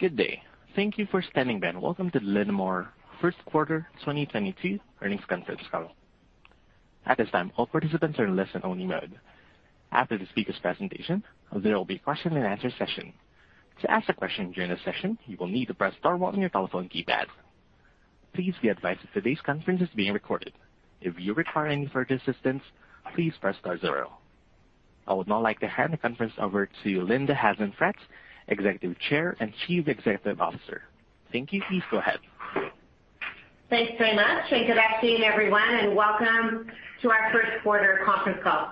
Good day. Thank you for standing by and welcome to the Linamar Q1 2022 earnings conference call. At this time, all participants are in listen only mode. After the speaker's presentation, there will be a question and answer session. To ask a question during the session, you will need to press star one on your telephone keypad. Please be advised that today's conference is being recorded. If you require any further assistance, please press star zero. I would now like to hand the conference over to Linda Hasenfratz, Executive Chair and Chief Executive Officer. Thank you. Please go ahead. Thanks very much, and good afternoon, everyone, and welcome to our Q1 conference call.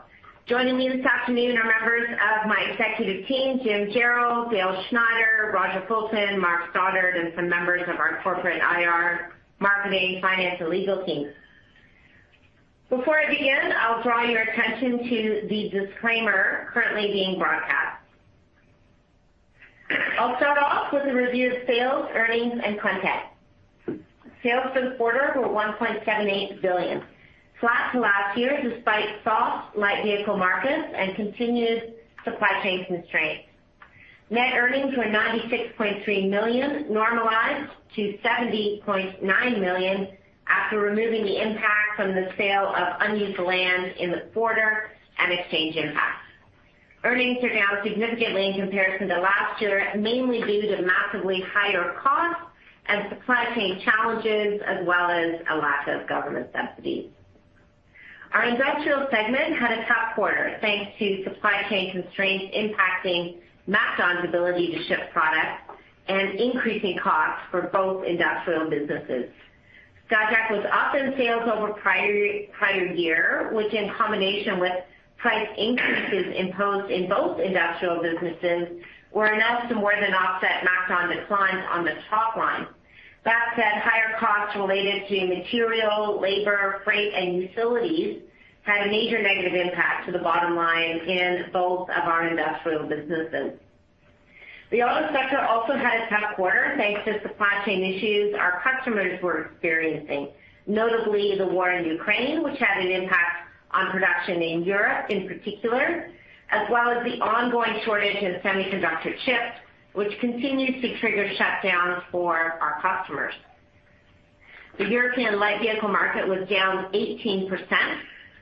Joining me this afternoon are members of my executive team, Jim Jarrell, Dale Schneider, Roger Fulton, Mark Stoddart, and some members of our corporate IR marketing, finance, and legal teams. Before I begin, I'll draw your attention to the disclaimer currently being broadcast. I'll start off with a review of sales, earnings and content. Sales this quarter were 1.78 billion, flat to last year despite soft light vehicle markets and continued supply chain constraints. Net earnings were 96.3 million, normalized to 79.9 million after removing the impact from the sale of unused land in the quarter and exchange impacts. Earnings are down significantly in comparison to last year, mainly due to massively higher costs and supply chain challenges as well as a lack of government subsidies. Our industrial segment had a tough quarter thanks to supply chain constraints impacting MacDon's ability to ship products and increasing costs for both industrial businesses. Skyjack was up in sales over prior year, which in combination with price increases imposed in both industrial businesses, were enough to more than offset MacDon declines on the top line. That said, higher costs related to material, labor, freight, and utilities had a major negative impact to the bottom line in both of our industrial businesses. The auto sector also had a tough quarter thanks to supply chain issues our customers were experiencing, notably the war in Ukraine, which had an impact on production in Europe in particular, as well as the ongoing shortage of semiconductor chips, which continues to trigger shutdowns for our customers. The European light vehicle market was down 18%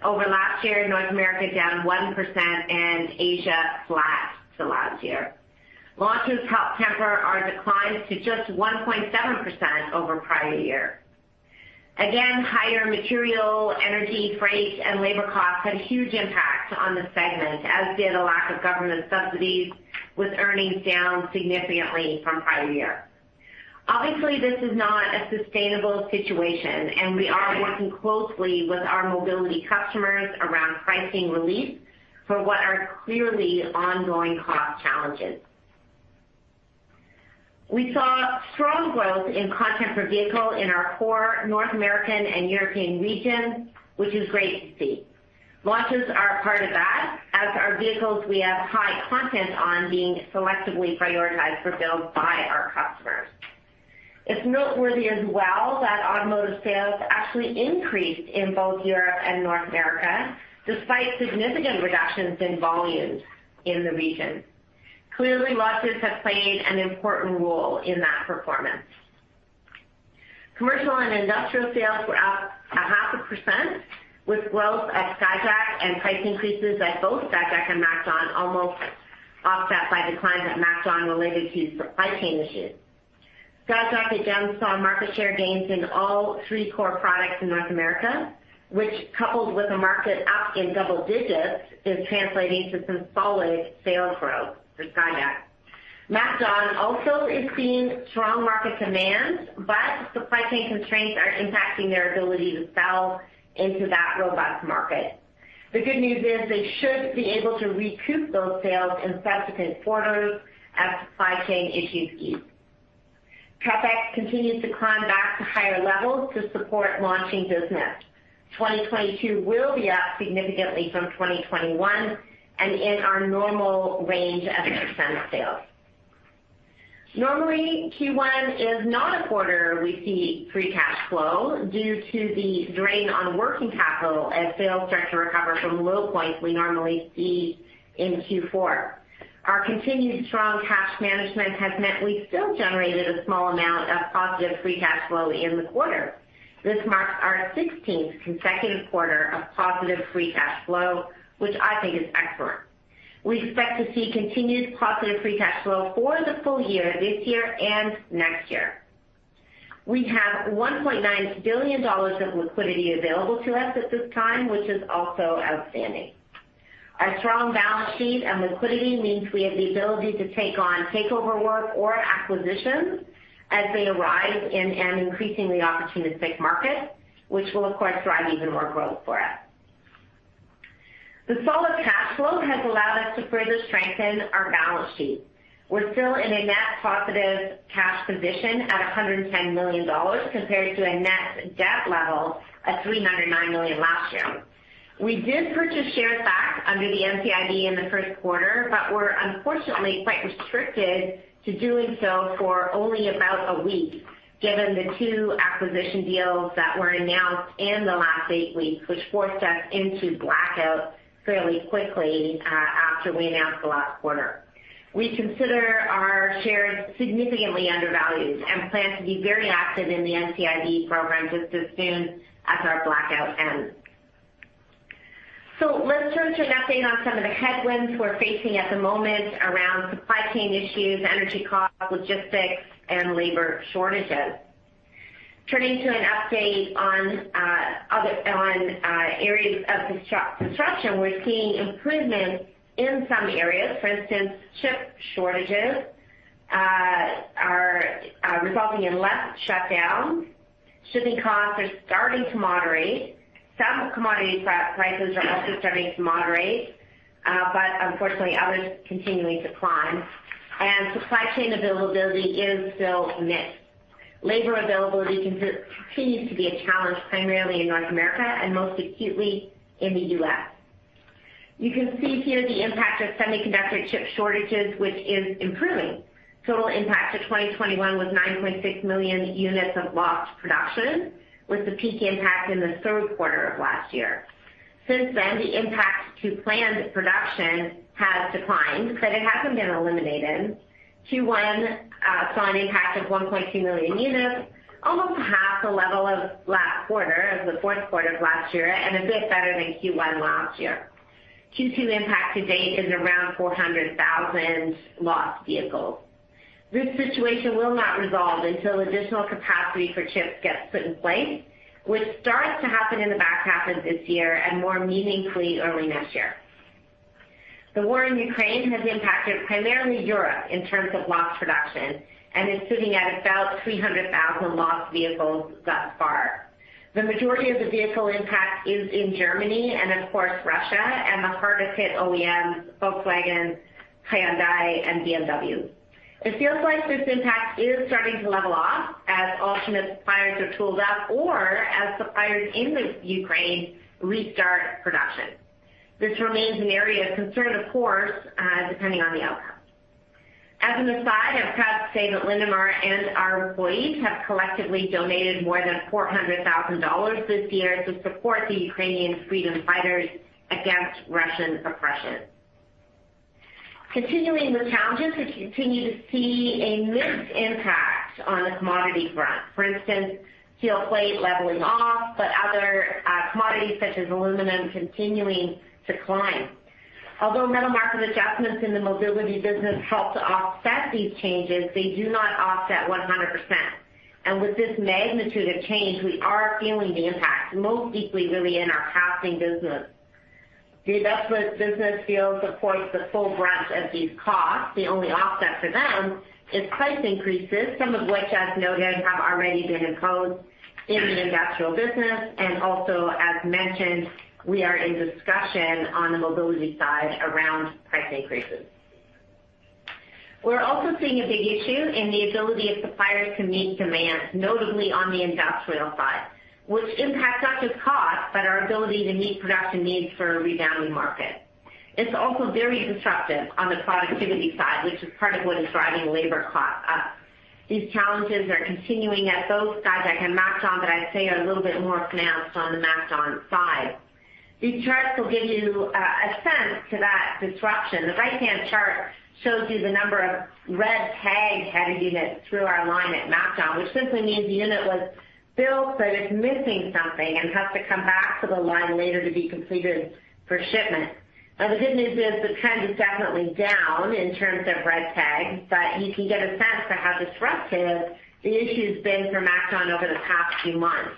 over last year, North America down 1%, and Asia flat to last year. Launches helped temper our declines to just 1.7% over prior year. Again, higher material, energy, freight and labor costs had a huge impact on the segment, as did a lack of government subsidies, with earnings down significantly from prior year. Obviously, this is not a sustainable situation, and we are working closely with our mobility customers around pricing relief for what are clearly ongoing cost challenges. We saw strong growth in content per vehicle in our core North American and European regions, which is great to see. Launches are a part of that as our vehicles we have high content on being selectively prioritized for build by our customers. It's noteworthy as well that automotive sales actually increased in both Europe and North America despite significant reductions in volumes in the region. Clearly, launches have played an important role in that performance. Commercial and industrial sales were up 0.5%, with growth at Skyjack and price increases at both Skyjack and MacDon almost offset by declines at MacDon related to supply chain issues. Skyjack again saw market share gains in all three core products in North America, which, coupled with a market up in double digits, is translating to some solid sales growth for Skyjack. MacDon also is seeing strong market demand, but supply chain constraints are impacting their ability to sell into that robust market. The good news is they should be able to recoup those sales in subsequent quarters as supply chain issues ease. CapEx continues to climb back to higher levels to support launching business. 2022 will be up significantly from 2021 and in our normal range as a % of sales. Normally, Q1 is not a quarter we see free cash flow due to the drain on working capital as sales start to recover from low points we normally see in Q4. Our continued strong cash management has meant we still generated a small amount of positive free cash flow in the quarter. This marks our 16th consecutive quarter of positive free cash flow, which I think is excellent. We expect to see continued positive free cash flow for the full year this year and next year. We have 1.9 billion dollars of liquidity available to us at this time, which is also outstanding. Our strong balance sheet and liquidity means we have the ability to take on takeover work or acquisitions as they arise in an increasingly opportunistic market, which will of course drive even more growth for us. The solid cash flow has allowed us to further strengthen our balance sheet. We're still in a net positive cash position at 110 million dollars compared to a net debt level at 309 million last year. We did purchase shares back under the NCIB in the Q1, but we're unfortunately quite restricted to doing so for only about a week, given the two acquisition deals that were announced in the last eight weeks, which forced us into blackout fairly quickly after we announced the last quarter. We consider our shares significantly undervalued and plan to be very active in the NCIB program just as soon as our blackout ends. Let's turn to an update on some of the headwinds we're facing at the moment around supply chain issues, energy costs, logistics and labor shortages. Turning to an update on other areas of disruption, we're seeing improvements in some areas. For instance, chip shortages are resulting in less shutdowns. Shipping costs are starting to moderate. Some commodity prices are also starting to moderate, but unfortunately others continuing to climb. Supply chain availability is still mixed. Labor availability continues to be a challenge, primarily in North America and most acutely in the U.S. You can see here the impact of semiconductor chip shortages, which is improving. Total impact to 2021 was 9.6 million units of lost production, with the peak impact in the Q3 of last year. Since then, the impact to planned production has declined, but it hasn't been eliminated. Q1 saw an impact of 1.2 million units, almost half the level of last quarter, of the Q4 of last year, and a bit better than Q1 last year. Q2 impact to date is around 400,000 lost vehicles. This situation will not resolve until additional capacity for chips gets put in place, which starts to happen in the back half of this year and more meaningfully early next year. The war in Ukraine has impacted primarily Europe in terms of lost production and is sitting at about 300,000 lost vehicles thus far. The majority of the vehicle impact is in Germany and of course Russia and the hardest hit OEMs, Volkswagen, Hyundai and BMW. It feels like this impact is starting to level off as alternate suppliers are tooled up or as suppliers in Ukraine restart production. This remains an area of concern, of course, depending on the outcome. As an aside, I'm proud to say that Linamar and our employees have collectively donated more than 400,000 dollars this year to support the Ukrainian freedom fighters against Russian oppression. Continuing with challenges, we continue to see a mixed impact on the commodity front. For instance, steel plate leveling off, but other commodities such as aluminum continuing to climb. Although metal market adjustments in the mobility business help to offset these changes, they do not offset 100%. With this magnitude of change, we are feeling the impact most deeply, really in our casting business. The industrial business feels, of course, the full brunt of these costs. The only offset for them is price increases, some of which, as noted, have already been imposed in the industrial business. Also as mentioned, we are in discussion on the mobility side around price increases. We're also seeing a big issue in the ability of suppliers to meet demand, notably on the industrial side, which impacts not just cost, but our ability to meet production needs for a rebounding market. It's also very disruptive on the productivity side, which is part of what is driving labor costs up. These challenges are continuing at both sides at MacDon, but I'd say are a little bit more pronounced on the MacDon side. These charts will give you a sense of that disruption. The right-hand chart shows you the number of red-tagged header units through our line at MacDon, which simply means the unit was built, but it's missing something and has to come back to the line later to be completed for shipment. Now, the good news is the trend is definitely down in terms of red tags, but you can get a sense for how disruptive the issue has been for MacDon over the past few months.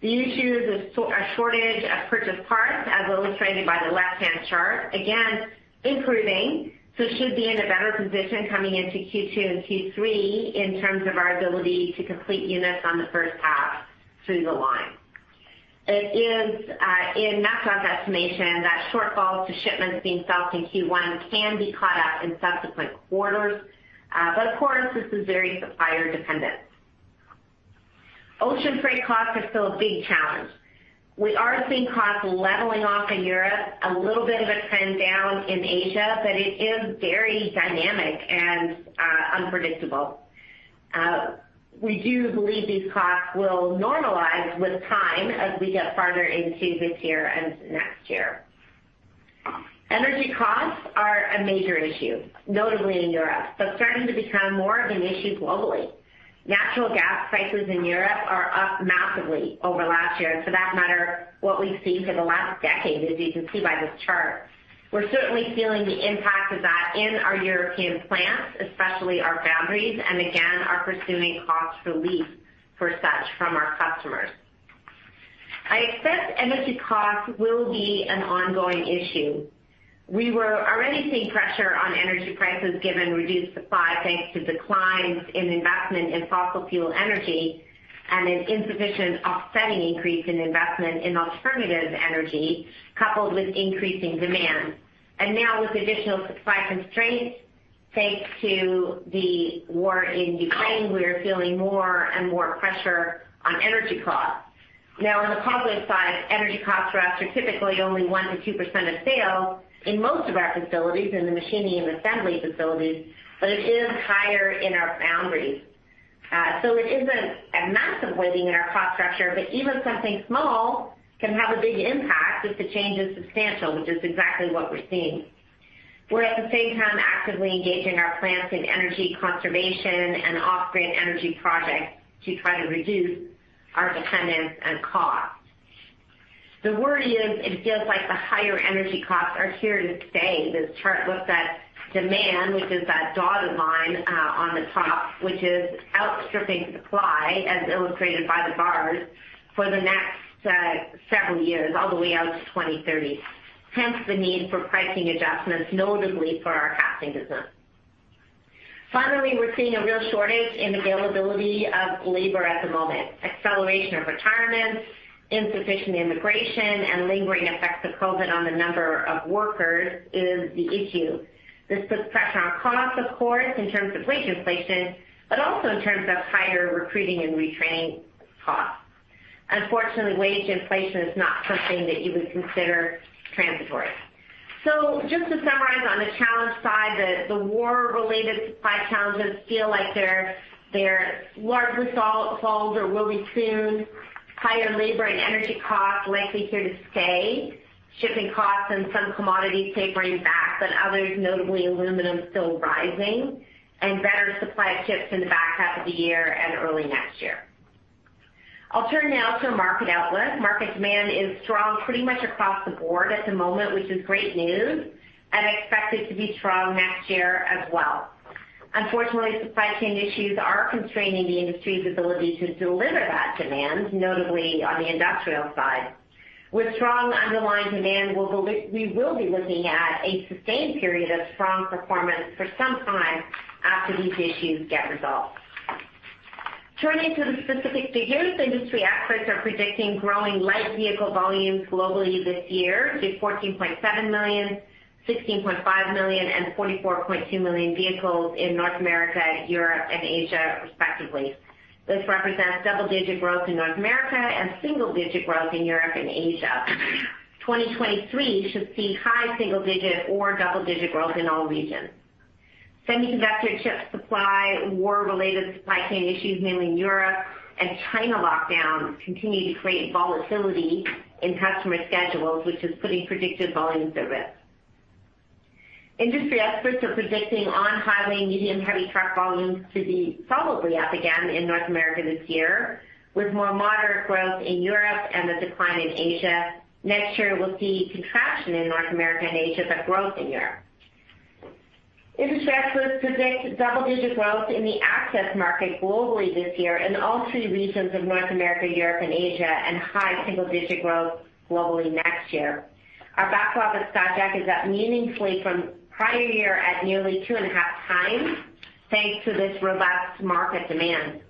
The issue is a shortage of purchased parts, as illustrated by the left-hand chart. Again, improving, so should be in a better position coming into Q2 and Q3 in terms of our ability to complete units on the first pass through the line. It is in MacDon's estimation that shortfalls to shipments being felt in Q1 can be caught up in subsequent quarters. Of course, this is very supplier dependent. Ocean freight costs are still a big challenge. We are seeing costs leveling off in Europe, a little bit of a trend down in Asia, but it is very dynamic and unpredictable. We do believe these costs will normalize with time as we get farther into this year and next year. Energy costs are a major issue, notably in Europe, but starting to become more of an issue globally. Natural gas prices in Europe are up massively over last year. For that matter, what we've seen for the last decade, as you can see by this chart. We're certainly feeling the impact of that in our European plants, especially our foundries, and again, are pursuing cost relief for such from our customers. I expect energy costs will be an ongoing issue. We were already seeing pressure on energy prices given reduced supply thanks to declines in investment in fossil fuel energy and an insufficient offsetting increase in investment in alternative energy coupled with increasing demand. Now, with additional supply constraints thanks to the war in Ukraine, we are feeling more and more pressure on energy costs. Now, on the positive side, energy costs for us are typically only 1%-2% of sales in most of our facilities in the machining and assembly facilities, but it is higher in our foundries. It isn't a massive weighting in our cost structure, but even something small can have a big impact if the change is substantial, which is exactly what we're seeing. We're at the same time actively engaging our plants in energy conservation and off-grid energy projects to try to reduce our dependence and costs. The worry is it feels like the higher energy costs are here to stay. This chart looks at demand, which is that dotted line on the top, which is outstripping supply, as illustrated by the bars, for the next several years, all the way out to 2030. Hence the need for pricing adjustments, notably for our casting business. Finally, we're seeing a real shortage in availability of labor at the moment. Acceleration of retirements, insufficient immigration, and lingering effects of COVID on the number of workers is the issue. This puts pressure on costs, of course, in terms of wage inflation, but also in terms of higher recruiting and retraining costs. Unfortunately, wage inflation is not something that you would consider transitory. Just to summarize on the challenge side, the war-related supply challenges feel like they're largely solved or will be soon. Higher labor and energy costs likely here to stay. Shipping costs and some commodities tapering back, but others, notably aluminum, still rising. Better supply of chips in the back half of the year and early next year. I'll turn now to market outlook. Market demand is strong pretty much across the board at the moment, which is great news, and expected to be strong next year as well. Unfortunately, supply chain issues are constraining the industry's ability to deliver that demand, notably on the industrial side. With strong underlying demand, we will be looking at a sustained period of strong performance for some time after these issues get resolved. Turning to the specific figures, industry experts are predicting growing light vehicle volumes globally this year to 14.7 million, 16.5 million, and 44.2 million vehicles in North America, Europe, and Asia, respectively. This represents double-digit growth in North America and single-digit growth in Europe and Asia. 2023 should see high single-digit or double-digit growth in all regions. Semiconductor chip supply, war-related supply chain issues, mainly in Europe, and China lockdowns continue to create volatility in customer schedules, which is putting predicted volumes at risk. Industry experts are predicting on-highway medium-heavy truck volumes to be solidly up again in North America this year, with more moderate growth in Europe and a decline in Asia. Next year will see contraction in North America and Asia, but growth in Europe. Industry experts predict double-digit growth in the access market globally this year in all three regions of North America, Europe, and Asia, and high single-digit growth globally next year. Our backlog of Skyjack is up meaningfully from prior year at nearly 2.5 times, thanks to this robust market demand.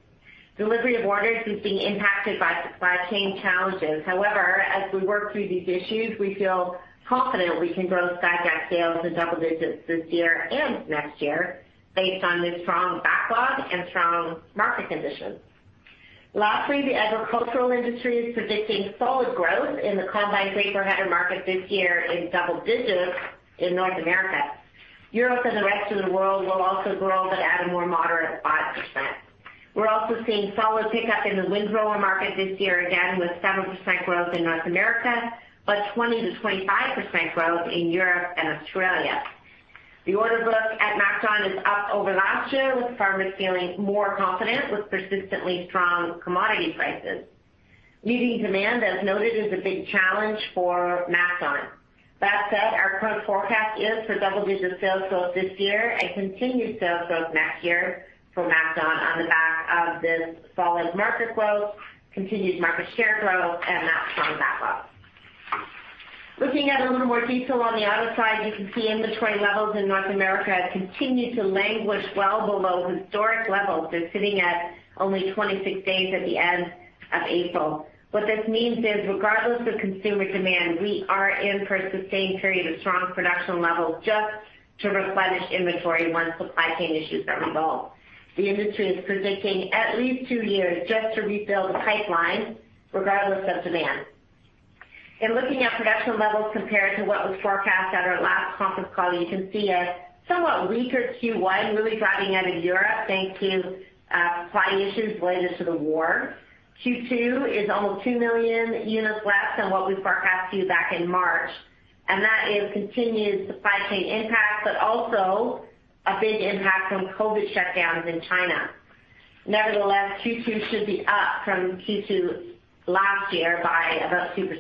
Delivery of orders is being impacted by supply chain challenges. However, as we work through these issues, we feel confident we can grow Skyjack sales in double digits this year and next year based on the strong backlog and strong market conditions. Lastly, the agricultural industry is predicting solid growth in the combine draper header market this year in double digits in North America. Europe and the rest of the world will also grow but at a more moderate 5%. We're also seeing solid pickup in the windrower market this year, again with 7% growth in North America, but 20%-25% growth in Europe and Australia. The order book at MacDon is up over last year, with farmers feeling more confident with persistently strong commodity prices. Meeting demand, as noted, is a big challenge for MacDon. That said, our current forecast is for double-digit sales growth this year and continued sales growth next year for MacDon on the back of this solid market growth, continued market share growth, and that strong backlog. Looking at a little more detail on the auto side, you can see inventory levels in North America have continued to languish well below historic levels. They're sitting at only 26 days at the end of April. What this means is, regardless of consumer demand, we are in for a sustained period of strong production levels just to replenish inventory once supply chain issues are resolved. The industry is predicting at least 2 years just to rebuild pipeline regardless of demand. In looking at production levels compared to what was forecast at our last conference call, you can see a somewhat weaker Q1 really driving out of Europe, thanks to supply issues related to the war. Q2 is almost 2 million units less than what we forecast to you back in March, and that is continued supply chain impacts, but also a big impact from COVID shutdowns in China. Nevertheless, Q2 should be up from Q2 last year by about 2%.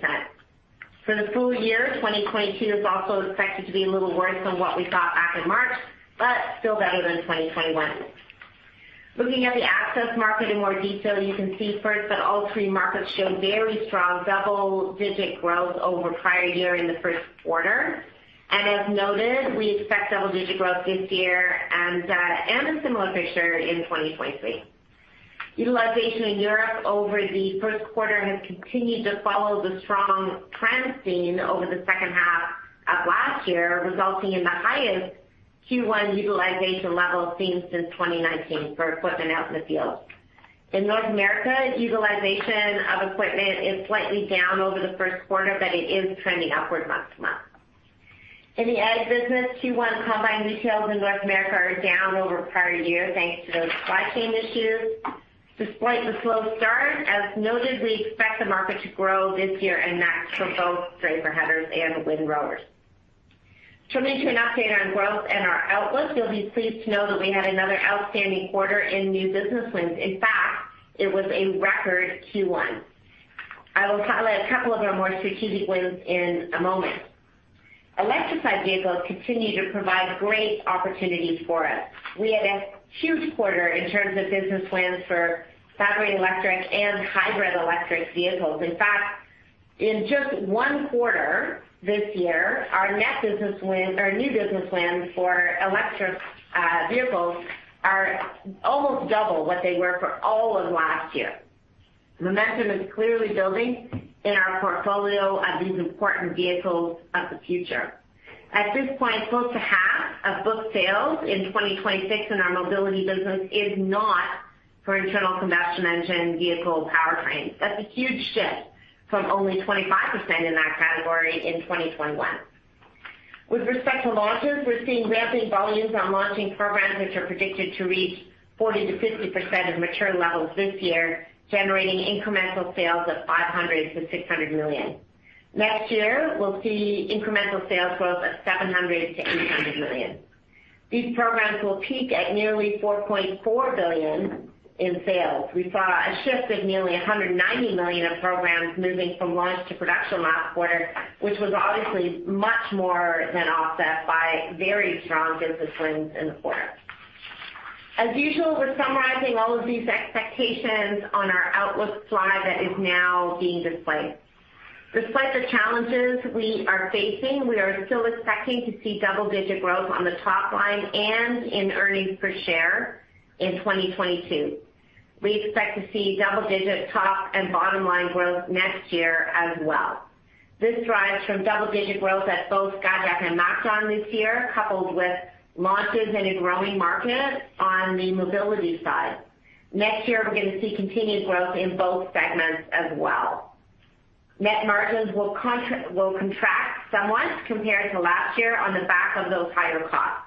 For the full year, 2022 is also expected to be a little worse than what we thought back in March, but still better than 2021. Looking at the access market in more detail, you can see first that all three markets show very strong double-digit growth over prior year in the Q1. As noted, we expect double-digit growth this year and a similar picture in 2023. Utilization in Europe over the Q1 has continued to follow the strong trend seen over the second half of last year, resulting in the highest Q1 utilization level seen since 2019 for equipment out in the field. In North America, utilization of equipment is slightly down over the Q1, but it is trending upward month-to-month. In the ag business, Q1 combine sales in North America are down over prior year thanks to those supply chain issues. Despite the slow start, as noted, we expect the market to grow this year and next for both draper headers and windrowers. Turning to an update on growth and our outlook, you'll be pleased to know that we had another outstanding quarter in new business wins. In fact, it was a record Q1. I will highlight a couple of our more strategic wins in a moment. Electrified vehicles continue to provide great opportunities for us. We had a huge quarter in terms of business wins for battery electric and hybrid electric vehicles. In fact, in just one quarter this year, our new business wins for electric vehicles are almost double what they were for all of last year. Momentum is clearly building in our portfolio of these important vehicles of the future. At this point, close to half of book sales in 2026 in our mobility business is not for internal combustion engine vehicle powertrains. That's a huge shift from only 25% in that category in 2021. With respect to launches, we're seeing ramping volumes on launching programs which are predicted to reach 40%-50% of mature levels this year, generating incremental sales of 500-600 million. Next year, we'll see incremental sales growth of 700-800 million. These programs will peak at nearly 4.4 billion in sales. We saw a shift of nearly 190 million of programs moving from launch to production last quarter, which was obviously much more than offset by very strong business wins in the quarter. As usual, we're summarizing all of these expectations on our outlook slide that is now being displayed. Despite the challenges we are facing, we are still expecting to see double-digit growth on the top line and in earnings per share in 2022. We expect to see double-digit top and bottom line growth next year as well. This drives from double-digit growth at both Gadac and MacDon this year, coupled with launches in a growing market on the mobility side. Next year we're gonna see continued growth in both segments as well. Net margins will contract somewhat compared to last year on the back of those higher costs.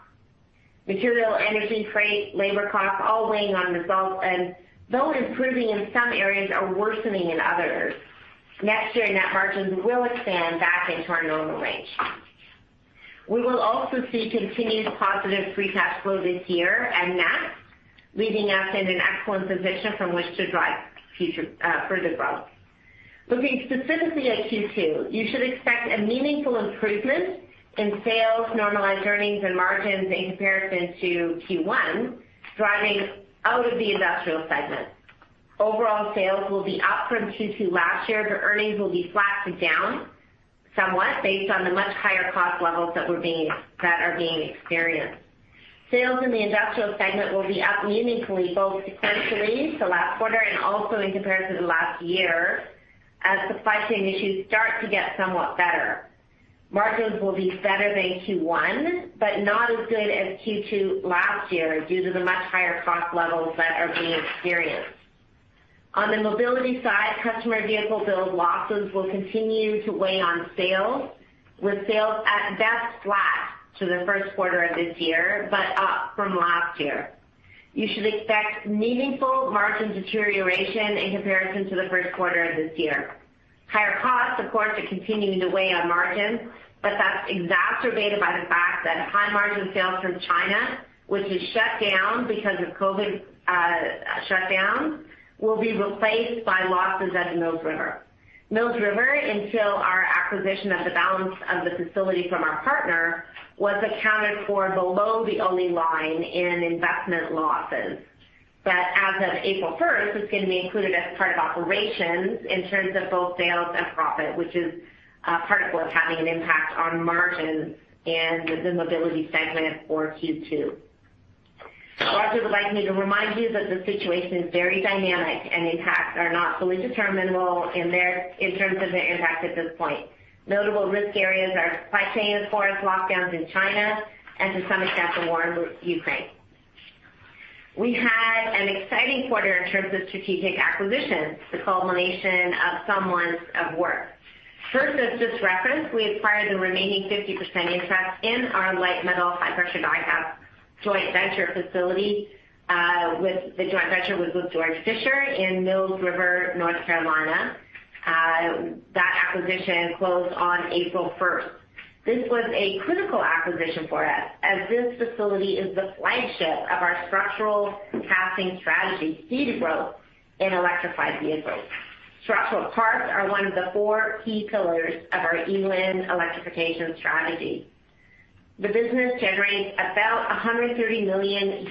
Material, energy, freight, labor costs all weighing on results, and though improving in some areas, are worsening in others. Next year, net margins will expand back into our normal range. We will also see continued positive free cash flow this year and next, leaving us in an excellent position from which to drive future further growth. Looking specifically at Q2, you should expect a meaningful improvement in sales, normalized earnings and margins in comparison to Q1, driving out of the industrial segment. Overall sales will be up from Q2 last year, but earnings will be flat to down somewhat based on the much higher cost levels that are being experienced. Sales in the industrial segment will be up meaningfully, both sequentially to last quarter and also in comparison to last year. As supply chain issues start to get somewhat better, margins will be better than Q1, but not as good as Q2 last year due to the much higher cost levels that are being experienced. On the mobility side, customer vehicle build losses will continue to weigh on sales, with sales at best flat to the Q1 of this year, but up from last year. You should expect meaningful margin deterioration in comparison to the Q1 of this year. Higher costs, of course, are continuing to weigh on margins, but that's exacerbated by the fact that high margin sales from China, which is shut down because of COVID shutdowns, will be replaced by losses at Mills River. Mills River, until our acquisition of the balance of the facility from our partner, was accounted for below the line in investment losses. As of April first, it's going to be included as part of operations in terms of both sales and profit, which is part of what's having an impact on margins in the mobility segment for Q2. Lastly, we'd like to remind you that the situation is very dynamic and impacts are not fully determinable in terms of their impact at this point. Notable risk areas are supply chain as far as lockdowns in China and to some extent the war in Ukraine. We had an exciting quarter in terms of strategic acquisitions, the culmination of some months of work. First, as just referenced, we acquired the remaining 50% interest in our light metal high pressure die cast joint venture facility with the joint venture with Georg Fischer in Mills River, North Carolina. That acquisition closed on April first. This was a critical acquisition for us as this facility is the flagship of our structural casting strategy, key to growth in electrified vehicles. Structural parts are one of the four key pillars of our eLIN electrification strategy. The business generates about $130 million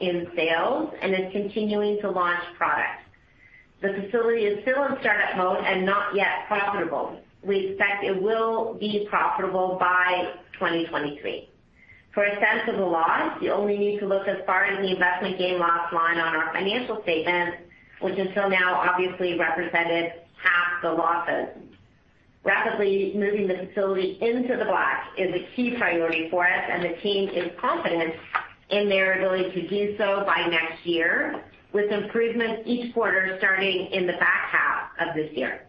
in sales and is continuing to launch. The facility is still in startup mode and not yet profitable. We expect it will be profitable by 2023. For a sense of the loss, you only need to look as far as the investment gain/loss line on our financial statements, which until now obviously represented half the losses. Rapidly moving the facility into the black is a key priority for us, and the team is confident in their ability to do so by next year, with improvements each quarter starting in the back half of this year.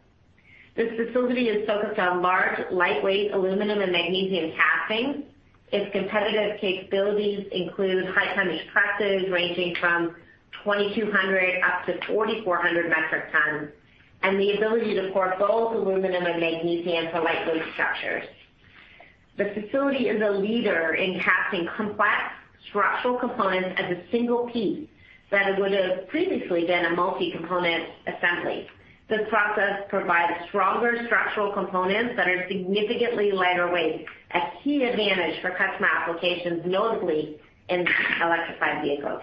This facility is focused on large, lightweight aluminum and magnesium casting. Its competitive capabilities include high tonnage presses ranging from 2,200-4,400 metric tons, and the ability to pour both aluminum and magnesium for lightweight structures. The facility is a leader in casting complex structural components as a single piece that would have previously been a multi-component assembly. This process provides stronger structural components that are significantly lighter weight, a key advantage for customer applications, notably in electrified vehicles.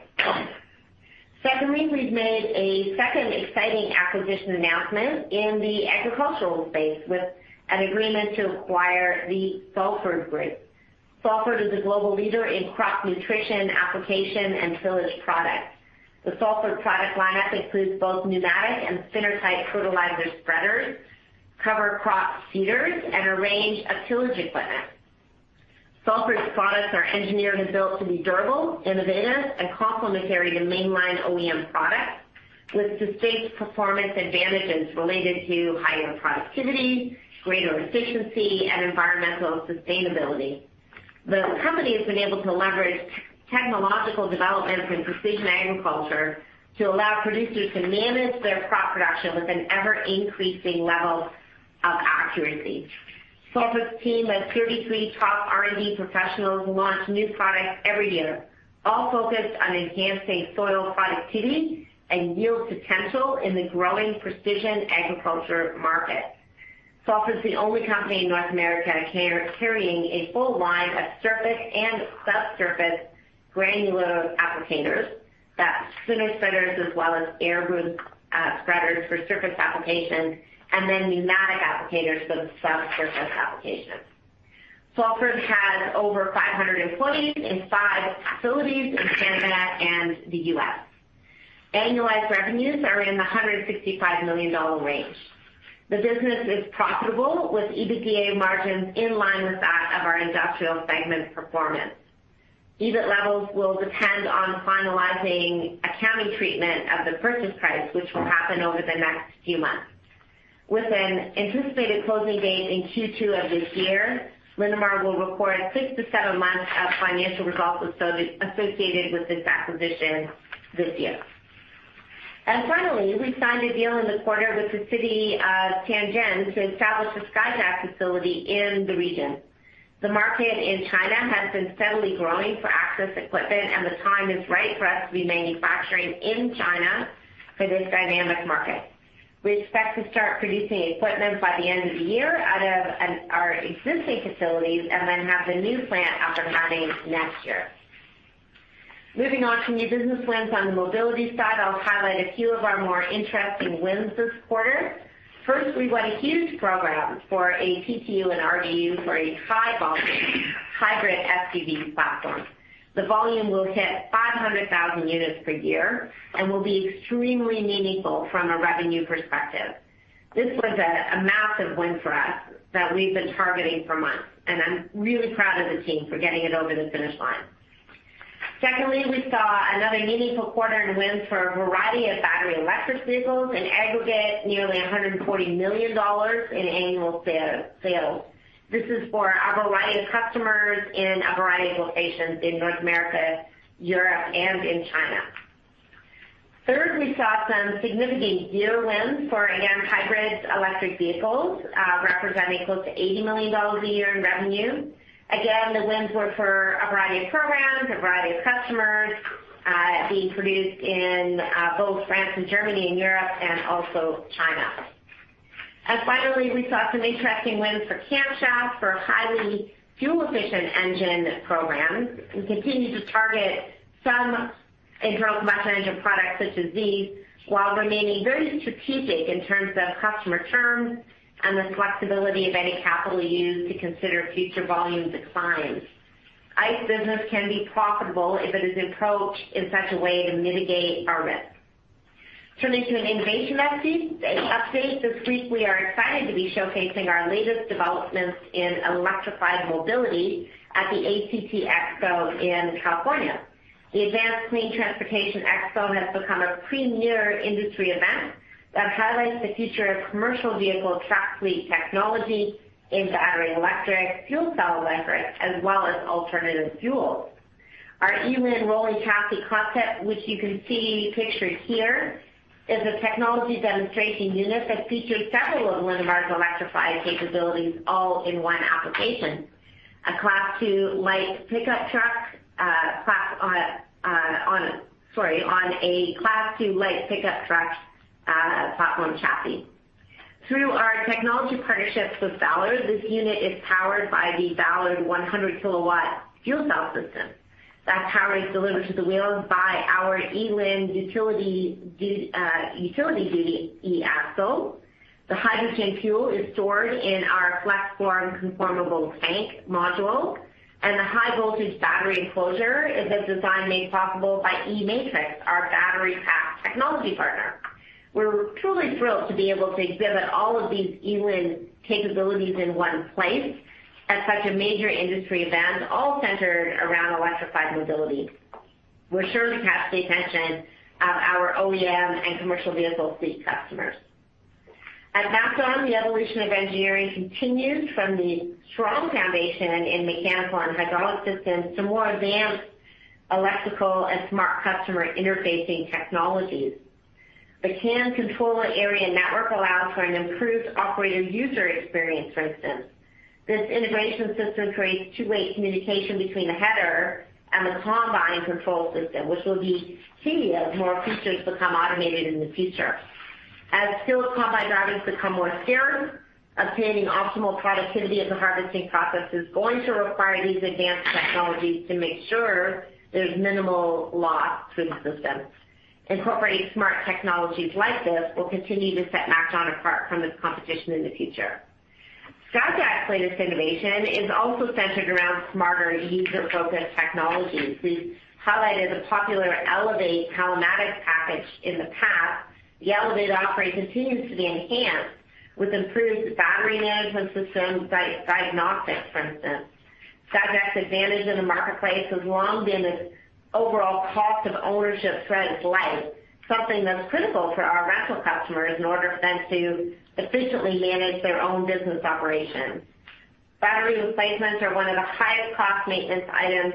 Secondly, we've made a second exciting acquisition announcement in the agricultural space with an agreement to acquire the Salford Group. Salford is a global leader in crop nutrition, application, and tillage products. The Salford product lineup includes both pneumatic and spinner-type fertilizer spreaders, cover crop seeders, and a range of tillage equipment. Salford's products are engineered and built to be durable, innovative, and complementary to mainline OEM products, with distinct performance advantages related to higher productivity, greater efficiency, and environmental sustainability. The company has been able to leverage technological developments in precision agriculture to allow producers to manage their crop production with an ever-increasing level of accuracy. Salford's team of 33 top R&D professionals launch new products every year, all focused on enhancing soil productivity and yield potential in the growing precision agriculture market. Salford is the only company in North America carrying a full line of surface and subsurface granular applicators. That's spinner spreaders as well as air boom spreaders for surface applications, and then pneumatic applicators for the subsurface applications. Salford has over 500 employees in five facilities in Canada and the U.S. Annualized revenues are in the 165 million dollar range. The business is profitable with EBITDA margins in line with that of our industrial segment performance. EBIT levels will depend on finalizing accounting treatment of the purchase price, which will happen over the next few months. With an anticipated closing date in Q2 of this year, Linamar will record 6-7 months of financial results associated with this acquisition this year. Finally, we signed a deal in the quarter with the City of Tianjin to establish a Skyjack facility in the region. The market in China has been steadily growing for access equipment, and the time is right for us to be manufacturing in China for this dynamic market. We expect to start producing equipment by the end of the year out of our existing facilities, and then have the new plant up and running next year. Moving on to new business wins on the mobility side, I'll highlight a few of our more interesting wins this quarter. First, we won a huge program for a PTU and RDU for a high-volume hybrid SUV platform. The volume will hit 500,000 units per year and will be extremely meaningful from a revenue perspective. This was a massive win for us that we've been targeting for months, and I'm really proud of the team for getting it over the finish line. Secondly, we saw another meaningful quarter in wins for a variety of battery electric vehicles, in aggregate, nearly $140 million in annual sales. This is for a variety of customers in a variety of locations in North America, Europe, and in China. Third, we saw some significant year wins for again hybrid electric vehicles, representing close to $80 million a year in revenue. Again, the wins were for a variety of programs, a variety of customers, being produced in both France and Germany in Europe and also China. Finally, we saw some interesting wins for camshaft for highly fuel-efficient engine programs. We continue to target some internal combustion engine products such as these, while remaining very strategic in terms of customer terms and the flexibility of any capital used to consider future volume declines. ICE business can be profitable if it is approached in such a way to mitigate our risk. Turning to an innovation update. This week, we are excited to be showcasing our latest developments in electrified mobility at the ACT Expo in California. The Advanced Clean Transportation Expo has become a premier industry event that highlights the future of commercial vehicle truck fleet technology in battery electric, fuel cell electric, as well as alternative fuels. Our eLIN rolling chassis concept, which you can see pictured here, is a technology demonstration unit that features several of Linamar's electrified capabilities all in one application. On a Class Two light pickup truck platform chassis. Through our technology partnerships with Ballard, this unit is powered by the Ballard 100-kilowatt fuel cell system. That power is delivered to the wheels by our eLIN utility duty e-axle. The hydrogen fuel is stored in our FlexForm conformable tank module, and the high voltage battery enclosure is a design made possible by eMatrix, our battery pack technology partner. We're truly thrilled to be able to exhibit all of these eLIN capabilities in one place at such a major industry event, all centered around electrified mobility. We're sure to catch the attention of our OEM and commercial vehicle fleet customers. At MacDon, the evolution of engineering continues from the strong foundation in mechanical and hydraulic systems to more advanced electrical and smart customer interfacing technologies. The CAN control area network allows for an improved operator user experience, for instance. This integration system creates two-way communication between the header and the combine control system, which will be key as more features become automated in the future. As skilled combine drivers become more scarce, obtaining optimal productivity of the harvesting process is going to require these advanced technologies to make sure there's minimal loss to the system. Incorporating smart technologies like this will continue to set MacDon apart from its competition in the future. Skyjack's latest innovation is also centered around smarter, user-focused technologies. We've highlighted the popular Elevate telematics package in the past. The Elevate offering continues to be enhanced with improved battery management system diagnostics, for instance. Skyjack's advantage in the marketplace has long been its overall cost of ownership throughout its life, something that's critical for our rental customers in order for them to efficiently manage their own business operations. Battery replacements are one of the highest cost maintenance items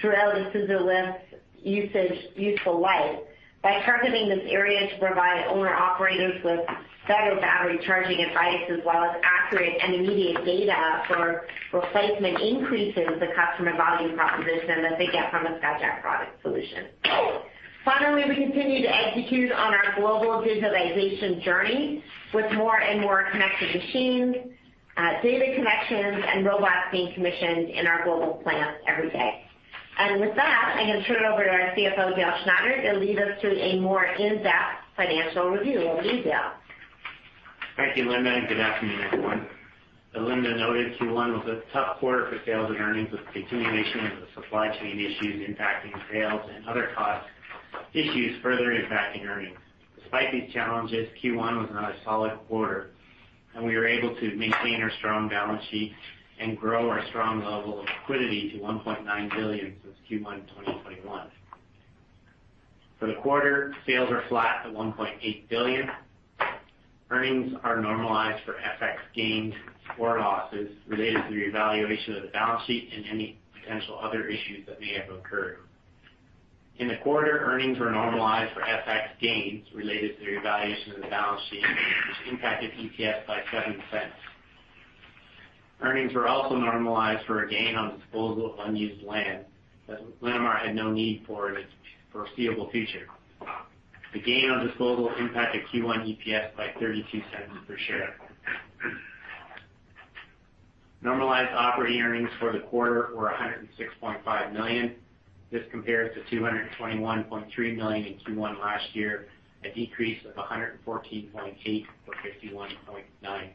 throughout a scissor lift's useful life. By targeting this area to provide owner-operators with better battery charging advice as well as accurate and immediate data for replacement, increases the customer value proposition that they get from a Skyjack product solution. Finally, we continue to execute on our global digitalization journey with more and more connected machines, data connections, and robots being commissioned in our global plants every day. With that, I'm going to turn it over to our CFO, Dale Schneider, to lead us through a more in-depth financial review. Over to you, Dale. Thank you, Linda, and good afternoon, everyone. As Linda noted, Q1 was a tough quarter for sales and earnings with the continuation of the supply chain issues impacting sales and other cost issues further impacting earnings. Despite these challenges, Q1 was another solid quarter, and we were able to maintain our strong balance sheet and grow our strong level of liquidity to 1.9 billion since Q1 2021. For the quarter, sales are flat at 1.8 billion. Earnings are normalized for FX gains or losses related to the revaluation of the balance sheet and any potential other issues that may have occurred. In the quarter, earnings were normalized for FX gains related to the revaluation of the balance sheet, which impacted EPS by 0.07. Earnings were also normalized for a gain on disposal of unused land that Linamar had no need for in the foreseeable future. The gain on disposal impacted Q1 EPS by 0.32 per share. Normalized operating earnings for the quarter were 106.5 million. This compares to 221.3 million in Q1 last year, a decrease of 114.8 million, or 51.9%.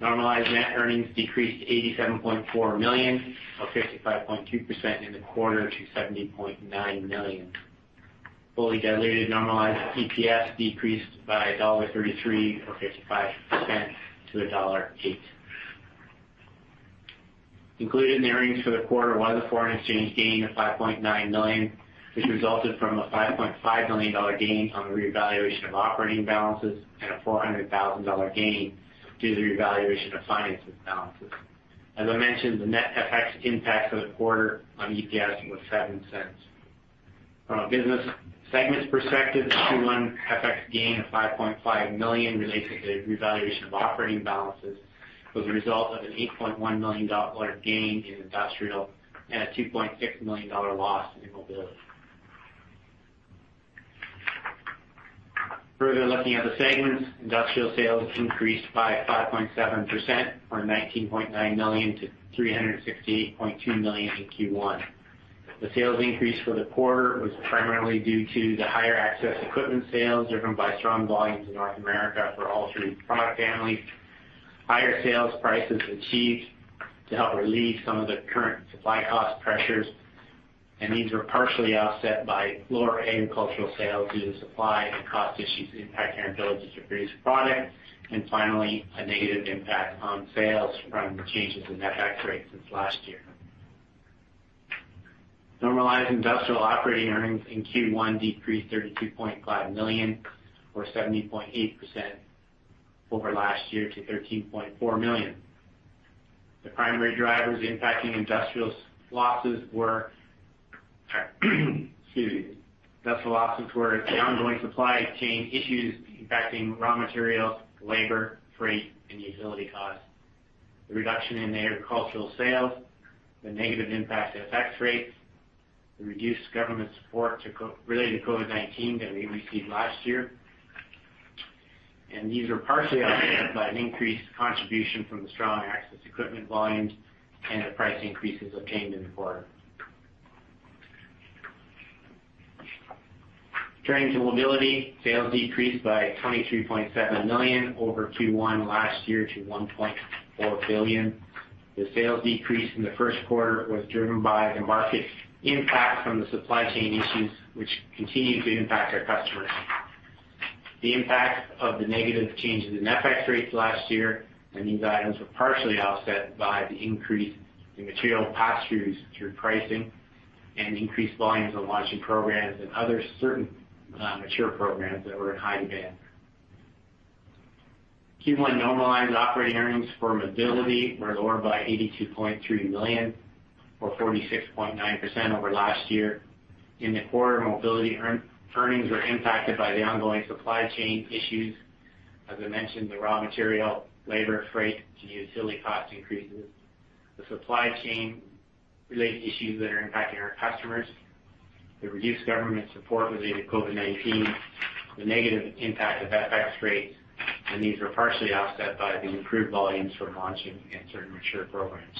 Normalized net earnings decreased to 87.4 million or 55.2% in the quarter to 70.9 million. Fully diluted normalized EPS decreased by dollar 1.33 or CAD 0.55 to CAD 1.08. Included in the earnings for the quarter was a foreign exchange gain of 5.9 million, which resulted from a $5.5 million gain on the revaluation of operating balances and a $0.4 million gain due to the revaluation of financial balances. As I mentioned, the net FX impact for the quarter on EPS was 0.07. From a business segments perspective, the Q1 FX gain of 5.5 million related to the revaluation of operating balances was a result of an 8.1 million dollar gain in Industrial and a 2.6 million dollar loss in Mobility. Further looking at the segments, Industrial sales increased by 5.7% from 19.9 million to 368.2 million in Q1. The sales increase for the quarter was primarily due to the higher access equipment sales driven by strong volumes in North America for all three product families. Higher sales prices achieved to help relieve some of the current supply cost pressures, and these were partially offset by lower agricultural sales due to supply and cost issues impacting our ability to produce product, and finally, a negative impact on sales from changes in FX rates since last year. Normalized Industrial operating earnings in Q1 decreased 32.5 million or 70.8% over last year to 13.4 million. Industrial losses were the ongoing supply chain issues impacting raw materials, labor, freight, and utility costs. The reduction in agricultural sales, the negative impact of FX rates, the reduced government support related to COVID-19 that we received last year. These were partially offset by an increased contribution from the strong access equipment volumes and the price increases obtained in the quarter. Turning to mobility, sales decreased by 23.7 million over Q1 last year to 1.4 billion. The sales decrease in the Q1 was driven by the market impact from the supply chain issues, which continue to impact our customers. The impact of the negative changes in FX rates last year, and these items were partially offset by the increase in material pass-throughs through pricing and increased volumes on launching programs and other certain mature programs that were in high demand. Q1 normalized operating earnings for mobility were lower by 82.3 million or 46.9% over last year. In the quarter, mobility earnings were impacted by the ongoing supply chain issues. As I mentioned, the raw material, labor, freight, tool, utility cost increases. The supply chain related issues that are impacting our customers, the reduced government support related to COVID-19, the negative impact of FX rates, and these were partially offset by the improved volumes from launching in certain mature programs.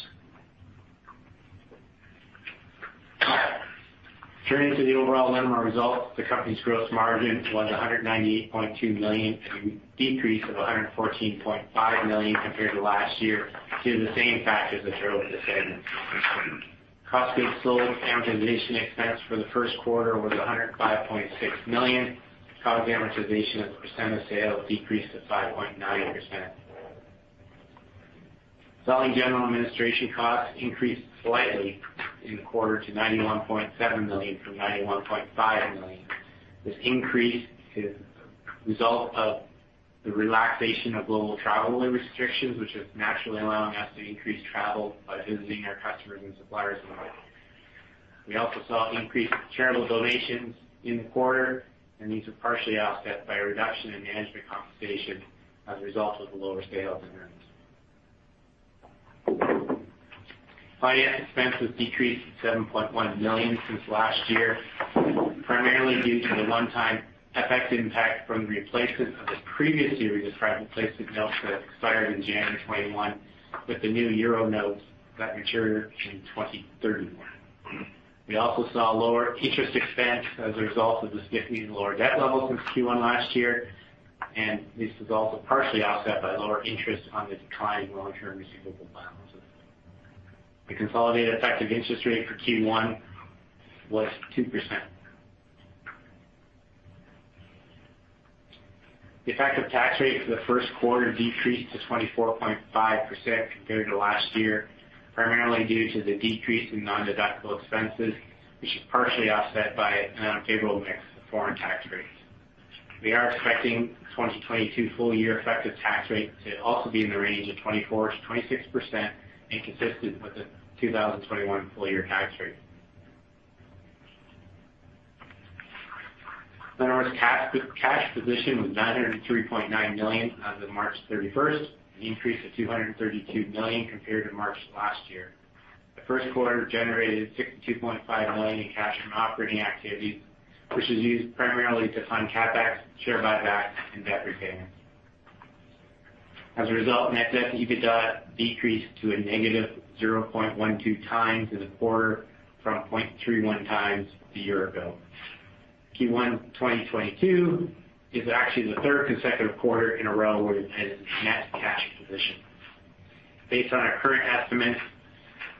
Turning to the overall Linamar results, the company's gross margin was 198.2 million, a decrease of 114.5 million compared to last year due to the same factors as earlier said. Cost of goods sold amortization expense for the Q1 was 105.6 million. Cost of amortization as a percent of sales decreased to 5.9%. Selling general administration costs increased slightly in the quarter to 91.7 million from 91.5 million. This increase is a result of the relaxation of global travel restrictions, which is naturally allowing us to increase travel by visiting our customers and suppliers more. We also saw increased charitable donations in the quarter, and these were partially offset by a reduction in management compensation as a result of the lower sales and earnings. Finance expenses decreased to 7.1 million since last year, primarily due to the one-time FX impact from the replacement of the previous series of private placement notes that expired in January 2021 with the new Euro notes that mature in 2031. We also saw lower interest expense as a result of the significantly lower debt level since Q1 last year, and this was also partially offset by lower interest on the declining long-term receivable balances. The consolidated effective interest rate for Q1 was 2%. The effective tax rate for the Q1 decreased to 24.5% compared to last year, primarily due to the decrease in nondeductible expenses, which is partially offset by an unfavorable mix of foreign tax rates. We are expecting 2022 full year effective tax rate to also be in the range of 24%-26% and consistent with the 2021 full year tax rate. Linamar's cash position was 903.9 million as of March 31, an increase of 232 million compared to March last year. The Q1 generated 62.5 million in cash from operating activities, which is used primarily to fund CapEx, share buybacks, and debt repayments. As a result, net debt to EBITDA decreased to a negative 0.12x in the quarter from 0.31x a year ago. Q1 2022 is actually the third consecutive quarter in a row with a net cash position. Based on our current estimates,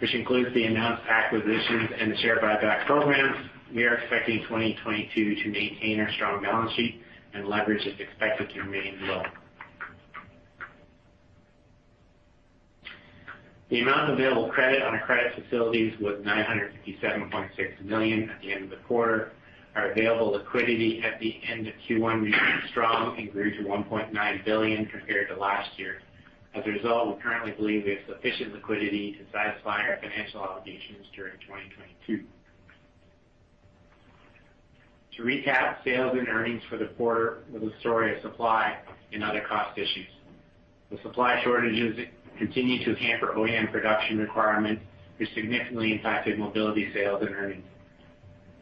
which includes the announced acquisitions and the share buyback programs, we are expecting 2022 to maintain our strong balance sheet and leverage is expected to remain low. The amount of available credit on our credit facilities was 957.6 million at the end of the quarter. Our available liquidity at the end of Q1 remained strong and grew to 1.9 billion compared to last year. As a result, we currently believe we have sufficient liquidity to satisfy our financial obligations during 2022. To recap, sales and earnings for the quarter were the story of supply and other cost issues. The supply shortages continue to hamper OEM production requirements, which significantly impacted mobility sales and earnings.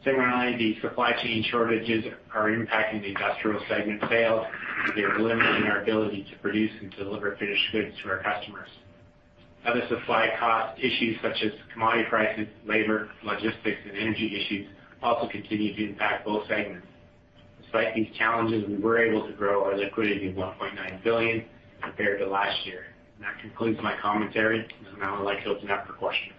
Similarly, the supply chain shortages are impacting the industrial segment sales, and they are limiting our ability to produce and deliver finished goods to our customers. Other supply cost issues such as commodity prices, labor, logistics, and energy issues also continued to impact both segments. Despite these challenges, we were able to grow our liquidity to 1.9 billion compared to last year. That concludes my commentary. Now I'd like to open up for questions.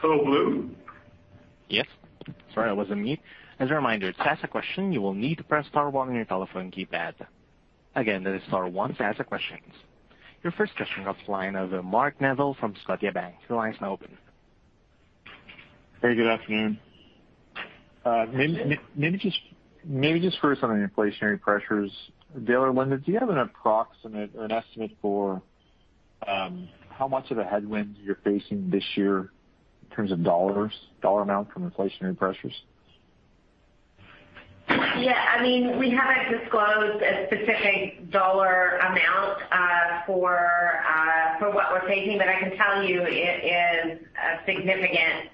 Hello, Blue. Yes. Sorry, I was on mute. As a reminder, to ask a question, you will need to press star one on your telephone keypad. Again, that is star one to ask a question. Your first question on the line of Mark Neville from Scotiabank. Your line is now open. Very good afternoon. Maybe just first on the inflationary pressures. Dale or Linda, do you have an approximate or an estimate for how much of a headwind you're facing this year in terms of dollars, dollar amount from inflationary pressures? Yeah. I mean, we haven't disclosed a specific dollar amount for what we're taking, but I can tell you it is a significant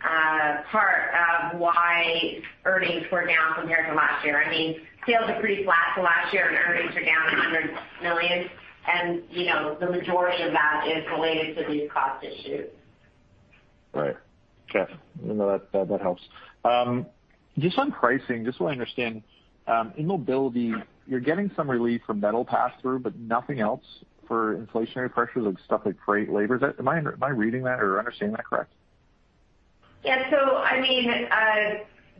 part of why earnings were down compared to last year. I mean, sales are pretty flat to last year, and earnings are down 200 million. You know, the majority of that is related to these cost issues. Right. Okay. No, that helps. Just on pricing, just so I understand, in Mobility, you're getting some relief from metal pass-through, but nothing else for inflationary pressures like stuff like freight and labor. Am I reading that or understanding that correct? Yeah. I mean,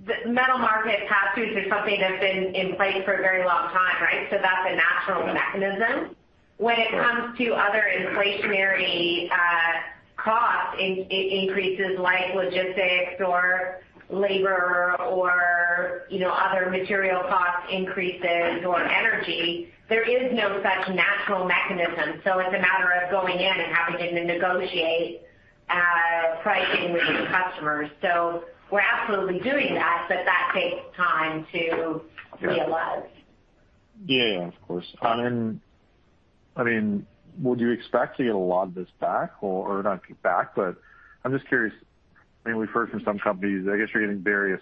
the metal market pass-throughs is something that's been in place for a very long time, right? That's a natural mechanism. Right. When it comes to other inflationary cost increases like logistics or labor or, you know, other material cost increases or energy, there is no such natural mechanism. It's a matter of going in and having to negotiate pricing with your customers. We're absolutely doing that, but that takes time to realize. Yeah. Yeah. Of course. I mean, would you expect to get a lot of this back or not back, but I'm just curious. I mean, we've heard from some companies, I guess, you're getting various,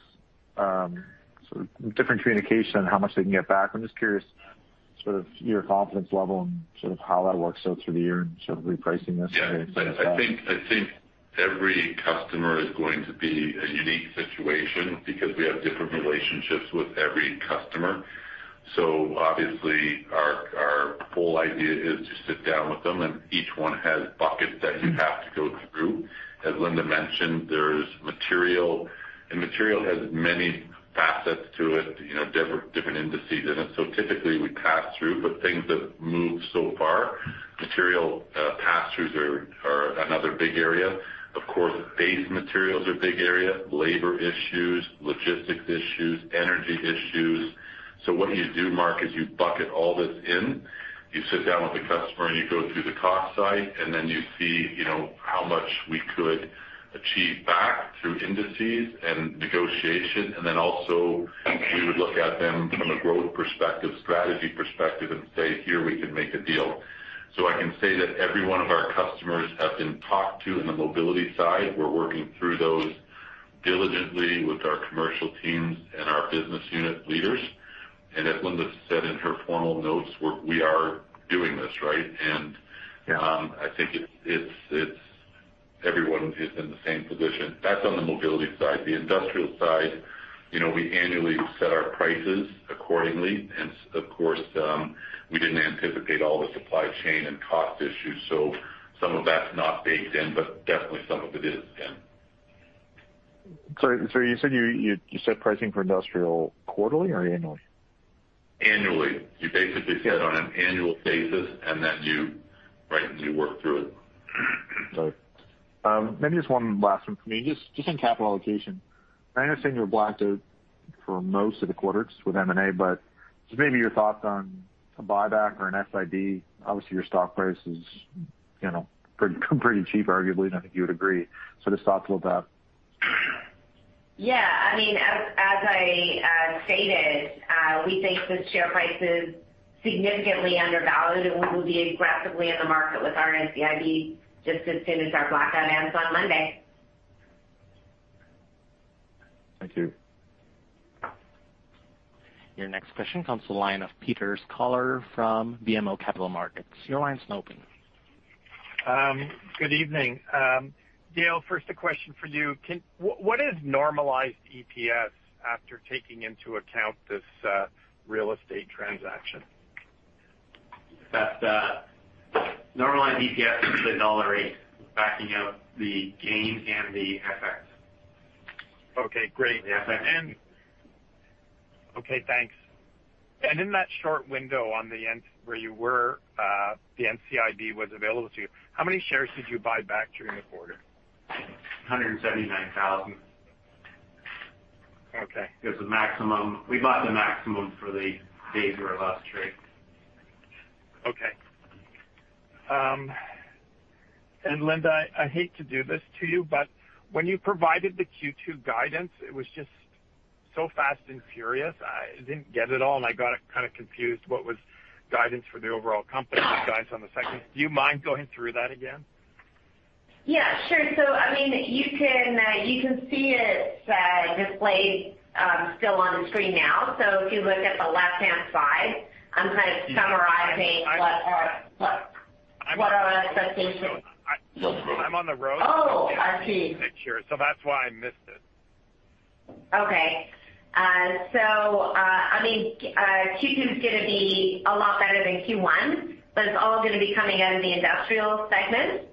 sort of different communication on how much they can get back. I'm just curious sort of your confidence level and sort of how that works out through the year and sort of repricing this. Yeah. I think every customer is going to be a unique situation because we have different relationships with every customer. Obviously our whole idea is to sit down with them, and each one has buckets that you have to go through. As Linda mentioned, there's material, and material has many facets to it, you know, different indices in it. Typically we pass through, but things have moved so far. Material pass-throughs are another big area. Of course, base materials are a big area, labor issues, logistics issues, energy issues. What you do, Mark, is you bucket all this in. You sit down with the customer, and you go through the cost side, and then you see, you know, how much we could achieve back through indices and negotiation. Also we would look at them from a growth perspective, strategy perspective, and say, "Here we can make a deal." I can say that every one of our customers have been talked to in the Mobility side. We're working through those diligently with our commercial teams and our business unit leaders. As Linda said in her formal notes, we are doing this, right? I think it's everyone is in the same position. That's on the Mobility side. The Industrial side, you know, we annually set our prices accordingly. Of course, we didn't anticipate all the supply chain and cost issues. Some of that's not baked in, but definitely some of it is in. You said you set pricing for Industrial quarterly or annually? Annually. You basically set on an annual basis, and then you, right, you work through it. Got it. Maybe just one last one for me. Just on capital allocation. I understand you're blacked out for most of the quarters with M&A, but just maybe your thoughts on a buyback or an SIB. Obviously, your stock price is, you know, pretty cheap, arguably, and I think you would agree. Just thoughts about that. Yeah. I mean, as I stated, we think the share price is significantly undervalued, and we will be aggressively in the market with our NCIB just as soon as our blackout ends on Monday. Thank you. Your next question comes to the line of Peter Sklar from BMO Capital Markets. Your line's now open. Good evening. Dale, first a question for you. What is normalized EPS after taking into account this real estate transaction? That's normalized EPS is the dollar rate backing out the gain and the FX. Okay, great. Yeah. Okay, thanks. In that short window on the end where you were, the NCIB was available to you, how many shares did you buy back during the quarter? 179,000. Okay. It was the maximum. We bought the maximum for the days we were allowed to trade. Okay. Linda, I hate to do this to you, but when you provided the Q2 guidance, it was just so fast and furious, I didn't get it all, and I got it kinda confused what was guidance for the overall company, guidance on the segment. Do you mind going through that again? Yeah, sure. I mean, you can see it displayed still on the screen now. If you look at the left-hand side, I'm kind of summarizing what our expectations- I'm on the road. Oh, I see. That's why I missed it. Okay. I mean, Q2 is gonna be a lot better than Q1, but it's all gonna be coming out of the Industrial segment.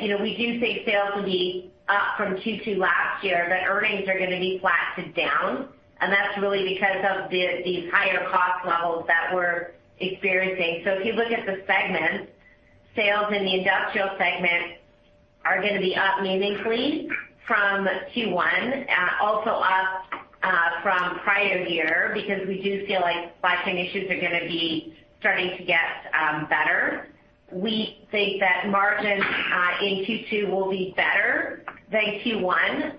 You know, we do think sales will be up from Q2 last year, but earnings are gonna be flat to down, and that's really because of the higher cost levels that we're experiencing. If you look at the segments, sales in the Industrial segment are gonna be up meaningfully from Q1, also up from prior year, because we do feel like supply chain issues are gonna be starting to get better. We think that margins in Q2 will be better than Q1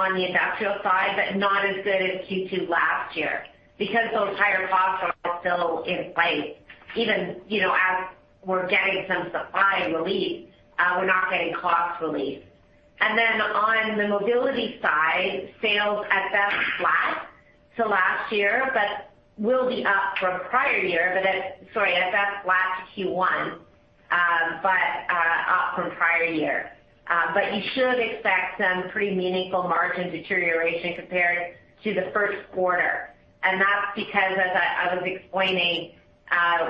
on the industrial side, but not as good as Q2 last year because those higher costs are still in place. You know, as we're getting some supply relief, we're not getting cost relief. On the mobility side, sales at best flat to last year, but will be up from prior year. At best flat to Q1, but up from prior year. You should expect some pretty meaningful margin deterioration compared to the Q1, and that's because, as I was explaining,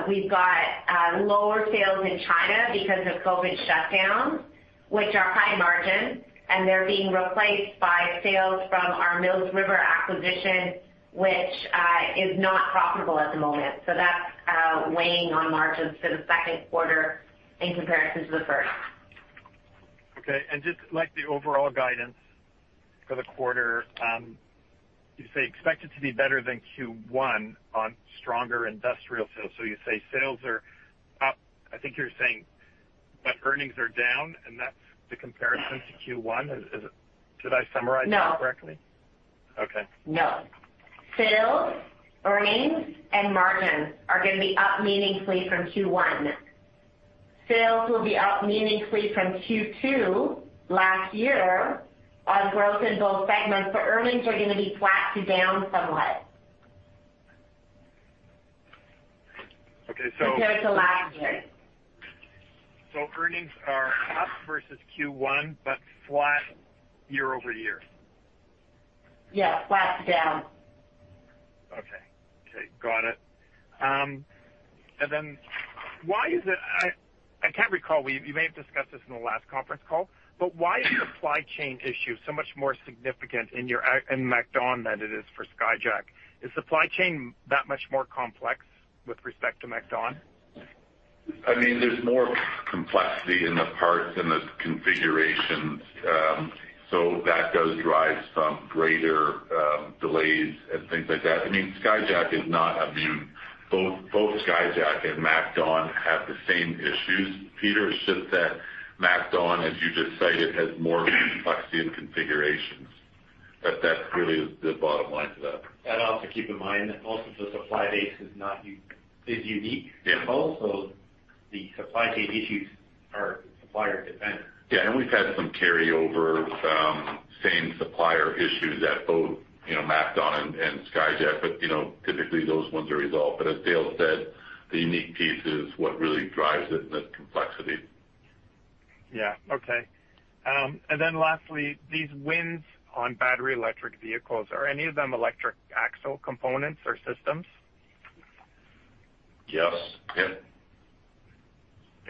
we've got lower sales in China because of COVID shutdowns, which are high margin, and they're being replaced by sales from our Mills River acquisition, which is not profitable at the moment. That's weighing on margins for the Q2 in comparison to the first. Okay. Just like the overall guidance for the quarter, you say expect it to be better than Q1 on stronger industrial sales. You say sales are up, I think you're saying, but earnings are down, and that's the comparison to Q1. Is it? Did I summarize that correctly? No. Okay. No. Sales, earnings, and margins are gonna be up meaningfully from Q1. Sales will be up meaningfully from Q2 last year on growth in both segments, but earnings are gonna be flat to down somewhat. Okay. Compared to last year. Earnings are up versus Q1, but flat year over year. Yeah. Flat to down. Okay. Okay, got it. Why is it I can't recall, you may have discussed this in the last conference call, but why is supply chain issue so much more significant in your MacDon than it is for Skyjack? Is supply chain that much more complex with respect to MacDon? I mean, there's more complexity in the parts and the configurations, so that does drive some greater delays and things like that. I mean, both Skyjack and MacDon have the same issues, Peter. It's just that MacDon, as you just stated, has more complexity and configurations. That really is the bottom line to that. Also keep in mind that most of the supply base is not unique. Yeah. The supply chain issues are supplier dependent. Yeah. We've had some carryover, some same supplier issues at both, you know, MacDon and Skyjack. You know, typically those ones are resolved. As Dale said, the unique piece is what really drives it, the complexity. Yeah. Okay. Lastly, these wins on battery electric vehicles, are any of them electric axle components or systems? Yes. Yeah.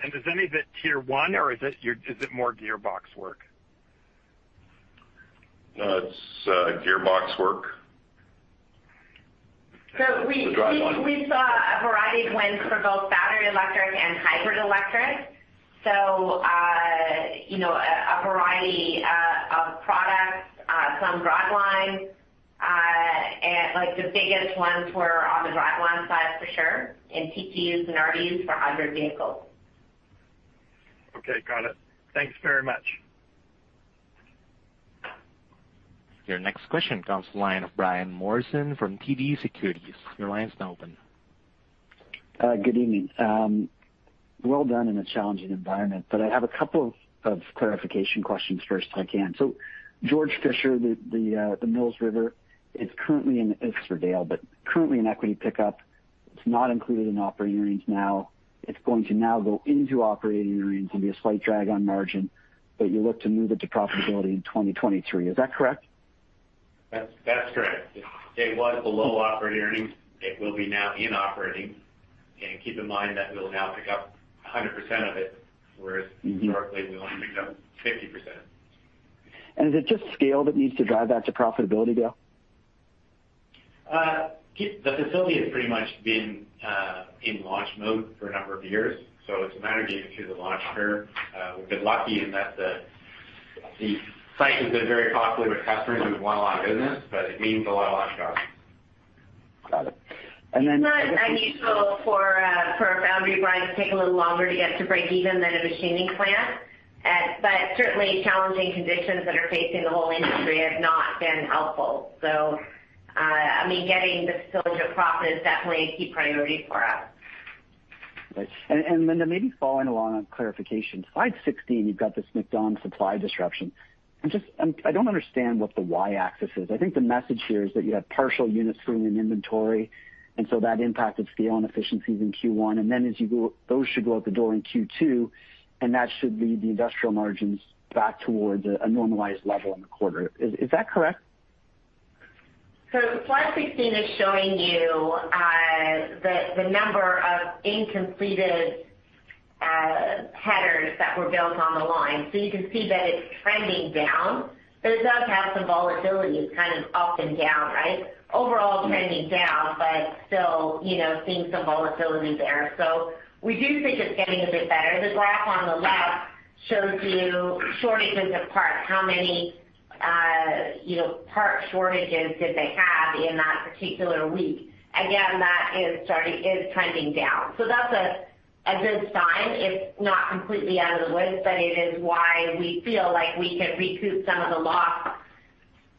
Is any of it tier one or is it more gearbox work? No, it's gearbox work. So we- The driveline. We saw a variety of wins for both battery electric and hybrid electric. You know, a variety of products, some driveline, and like the biggest ones were on the driveline side for sure, and PTUs and RDUs for hybrid vehicles. Okay, got it. Thanks very much. Your next question comes from the line of Brian Morrison from TD Securities. Your line's now open. Good evening. Well done in a challenging environment. I have a couple of clarification questions first, if I can. Georg Fischer, the Mills River is currently in equity pickup. It's for Dale, but currently in equity pickup. It's not included in operating earnings now. It's going to now go into operating earnings and be a slight drag on margin. You look to move it to profitability in 2023. Is that correct? That's correct. It was below operating earnings. It will be now in operating. Keep in mind that we'll now pick up 100% of it, whereas- Historically, we only picked up 50%. Is it just scale that needs to drive that to profitability, Dale? The facility has pretty much been in launch mode for a number of years, so it's a matter of getting through the launch curve. We've been lucky in that the site has been very popular with customers. We've won a lot of business, but it means a lot of launch costs. Got it. It's not unusual for a foundry, Brian, to take a little longer to get to break even than a machining plant. Certainly challenging conditions that are facing the whole industry have not been helpful. I mean, getting the facility to profit is definitely a key priority for us. Right. Maybe following along on clarification. Slide 16, you've got this MacDon supply disruption. I'm just. I don't understand what the y-axis is. I think the message here is that you have partial units sitting in inventory, and so that impacted scale and efficiencies in Q1. As you go, those should go out the door in Q2, and that should lead the industrial margins back towards a normalized level in the quarter. Is that correct? Slide 16 is showing you the number of incomplete headers that were built on the line. You can see that it's trending down, but it does have some volatility. It's kind of up and down, right? Overall trending down, but still, you know, seeing some volatility there. We do think it's getting a bit better. The graph on the left shows you shortages of parts, how many, you know, part shortages did they have in that particular week. Again, that is trending down. That's a good sign. It's not completely out of the woods, but it is why we feel like we can recoup some of the lost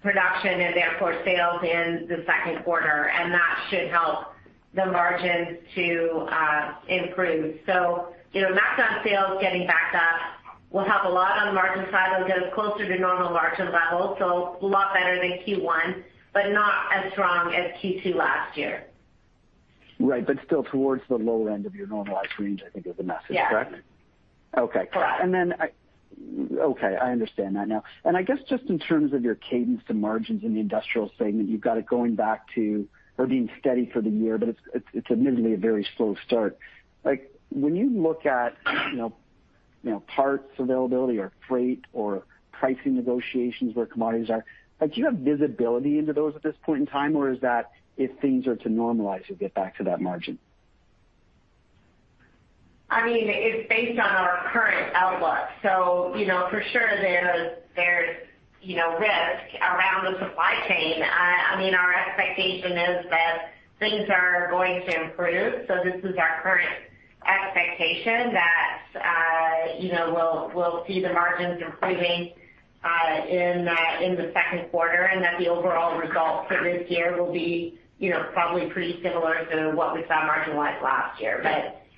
production and therefore sales in the Q2, and that should help the margins to improve. You know, MacDon sales getting back up will help a lot on the margin side. It'll get us closer to normal margin levels, so a lot better than Q1, but not as strong as Q2 last year. Right. Still towards the lower end of your normalized range, I think is the message, correct? Yes. Correct. Okay, I understand that now. I guess just in terms of your cadence to margins in the industrial segment, you've got it going back to or being steady for the year, but it's admittedly a very slow start. Like, when you look at, you know, parts availability or freight or pricing negotiations where commodities are, like, do you have visibility into those at this point in time? Or is that if things are to normalize, you'll get back to that margin? I mean, it's based on our current outlook, so you know, for sure there's, you know, risk around the supply chain. I mean, our expectation is that things are going to improve. This is our current expectation that, you know, we'll see the margins improving in the Q2 and that the overall result for this year will be, you know, probably pretty similar to what we saw margin-wise last year.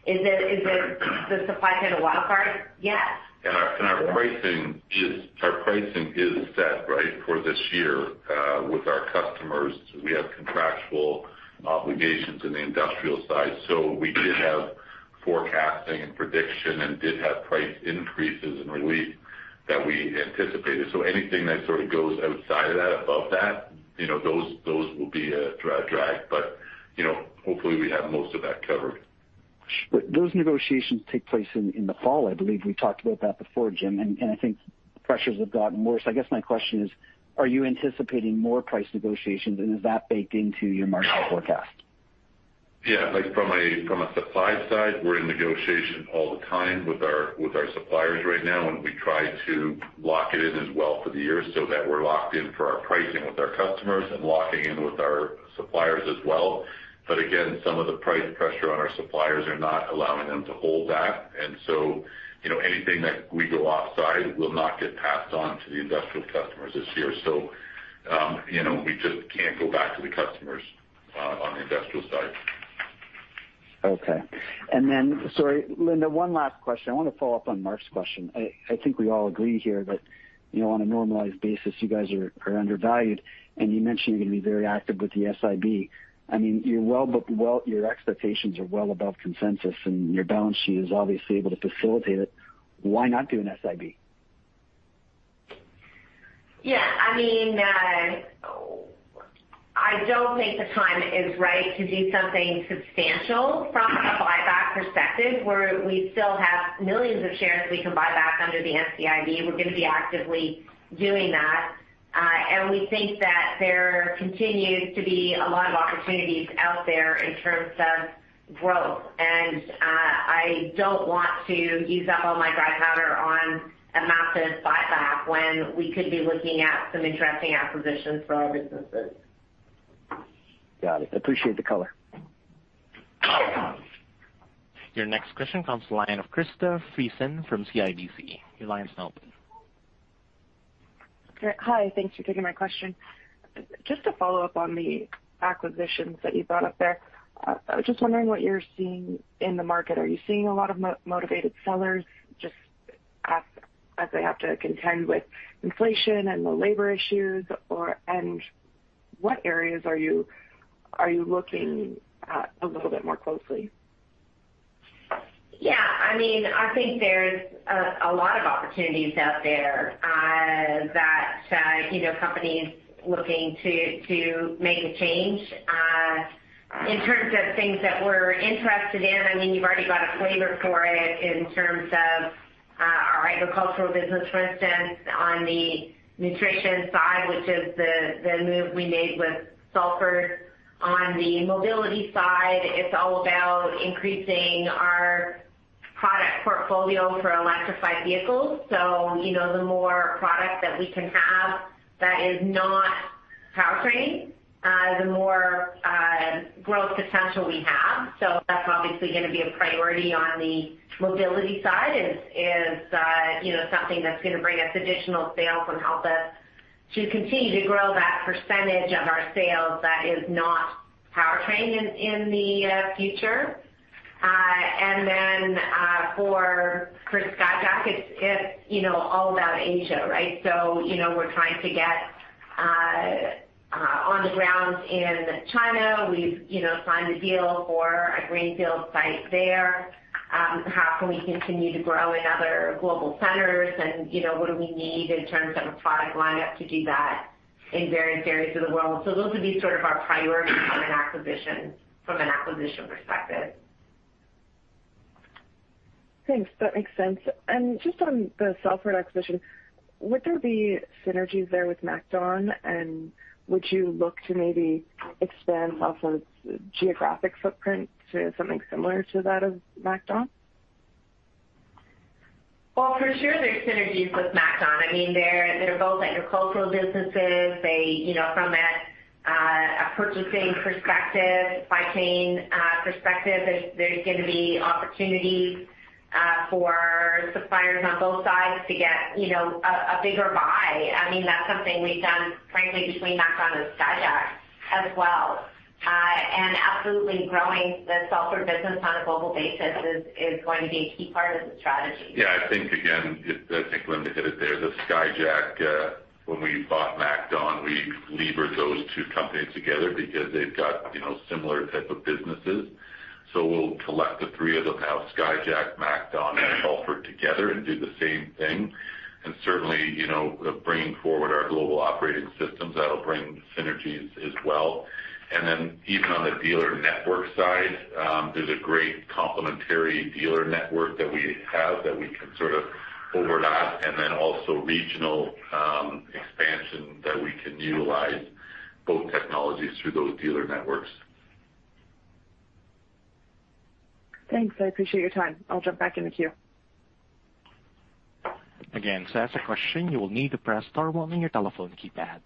Is it the supply chain a wildcard? Yes. Our pricing is set right for this year with our customers. We have contractual obligations in the industrial side. We did have forecasting and prediction and did have price increases and relief that we anticipated. Anything that sort of goes outside of that, above that, you know, those will be a drag. You know, hopefully we have most of that covered. Those negotiations take place in the fall, I believe. We talked about that before, Jim, and I think pressures have gotten worse. I guess my question is, are you anticipating more price negotiations and is that baked into your marginal forecast? Yeah. Like from a supply side, we're in negotiation all the time with our suppliers right now, and we try to lock it in as well for the year so that we're locked in for our pricing with our customers and locking in with our suppliers as well. But again, some of the price pressure on our suppliers are not allowing them to hold that. You know, anything that we go off-site will not get passed on to the industrial customers this year. You know, we just can't go back to the customers on the industrial side. Okay. Sorry, Linda, one last question. I wanna follow up on Mark's question. I think we all agree here that, you know, on a normalized basis you guys are undervalued, and you mentioned you're gonna be very active with the SIB. I mean, your expectations are well above consensus, and your balance sheet is obviously able to facilitate it. Why not do an SIB? I mean, I don't think the time is right to do something substantial from a buyback perspective, where we still have millions of shares we can buy back under the NCIB. We're gonna be actively doing that. We think that there continues to be a lot of opportunities out there in terms of growth. I don't want to use up all my dry powder on a massive buyback when we could be looking at some interesting acquisitions for our businesses. Got it. Appreciate the color. Your next question comes from the line of Krista Friesen from CIBC. Your line is now open. Great. Hi. Thanks for taking my question. Just to follow up on the acquisitions that you brought up there, I was just wondering what you're seeing in the market. Are you seeing a lot of motivated sellers just as they have to contend with inflation and the labor issues, and what areas are you looking at a little bit more closely? Yeah, I mean, I think there's a lot of opportunities out there that you know companies looking to make a change. In terms of things that we're interested in, I mean, you've already got a flavor for it in terms of our agricultural business, for instance, on the nutrition side, which is the move we made with Salford. On the mobility side, it's all about increasing our product portfolio for electrified vehicles. So, you know, the more product that we can have that is not powertrain, the more growth potential we have. So that's obviously gonna be a priority on the mobility side is you know something that's gonna bring us additional sales and help us to continue to grow that percentage of our sales that is not powertrain in the future. For Skyjack, it's you know all about Asia, right? You know, we're trying to get on the ground in China. We've you know signed a deal for a greenfield site there. How can we continue to grow in other global centers? You know, what do we need in terms of a product lineup to do that in various areas of the world? Those would be sort of our priorities on an acquisition from an acquisition perspective. Thanks. That makes sense. Just on the Salford acquisition. Would there be synergies there with MacDon? Would you look to maybe expand also its geographic footprint to something similar to that of MacDon? Well, for sure there's synergies with MacDon. I mean, they're both agricultural businesses. They, you know, from a purchasing perspective, supply chain perspective, there's gonna be opportunities for suppliers on both sides to get, you know, a bigger buy. I mean, that's something we've done, frankly, between MacDon and Skyjack as well. Absolutely growing the Salford business on a global basis is going to be a key part of the strategy. Yeah, I think, again, Linda hit it there. Skyjack, when we bought MacDon, we levered those two companies together because they've got, you know, similar type of businesses. We'll collect the three of them, have Skyjack, MacDon, and Salford together and do the same thing. Certainly, you know, bringing forward our global operating systems, that'll bring synergies as well. Even on the dealer network side, there's a great complementary dealer network that we have that we can sort of overlap and then also regional expansion that we can utilize both technologies through those dealer networks. Thanks. I appreciate your time. I'll jump back in the queue. Again, to ask a question, you will need to press star one on your telephone keypad.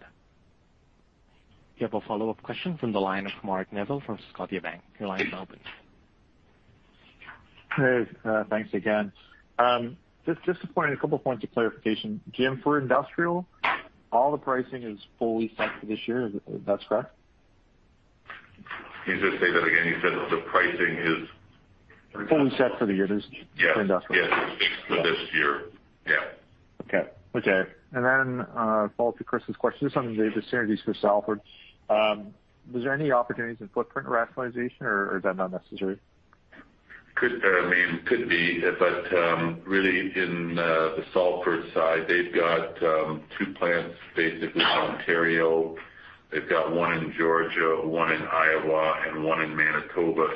We have a follow-up question from the line of Mark Neville from Scotiabank. Your line is open. Hey, thanks again. Just a couple of points of clarification. Jim Jarrell, for industrial, all the pricing is fully set for this year. That's correct? Can you just say that again? You said that the pricing is. Fully set for the year. Yes. For industrial. Yes, for this year. Yeah. Okay. Follow-up to Krista Friesen's question, just on the synergies for Salford. Was there any opportunities in footprint rationalization or is that not necessary? I mean, could be. Really in the Salford side, they've got two plants basically in Ontario. They've got one in Georgia, one in Iowa, and one in Manitoba.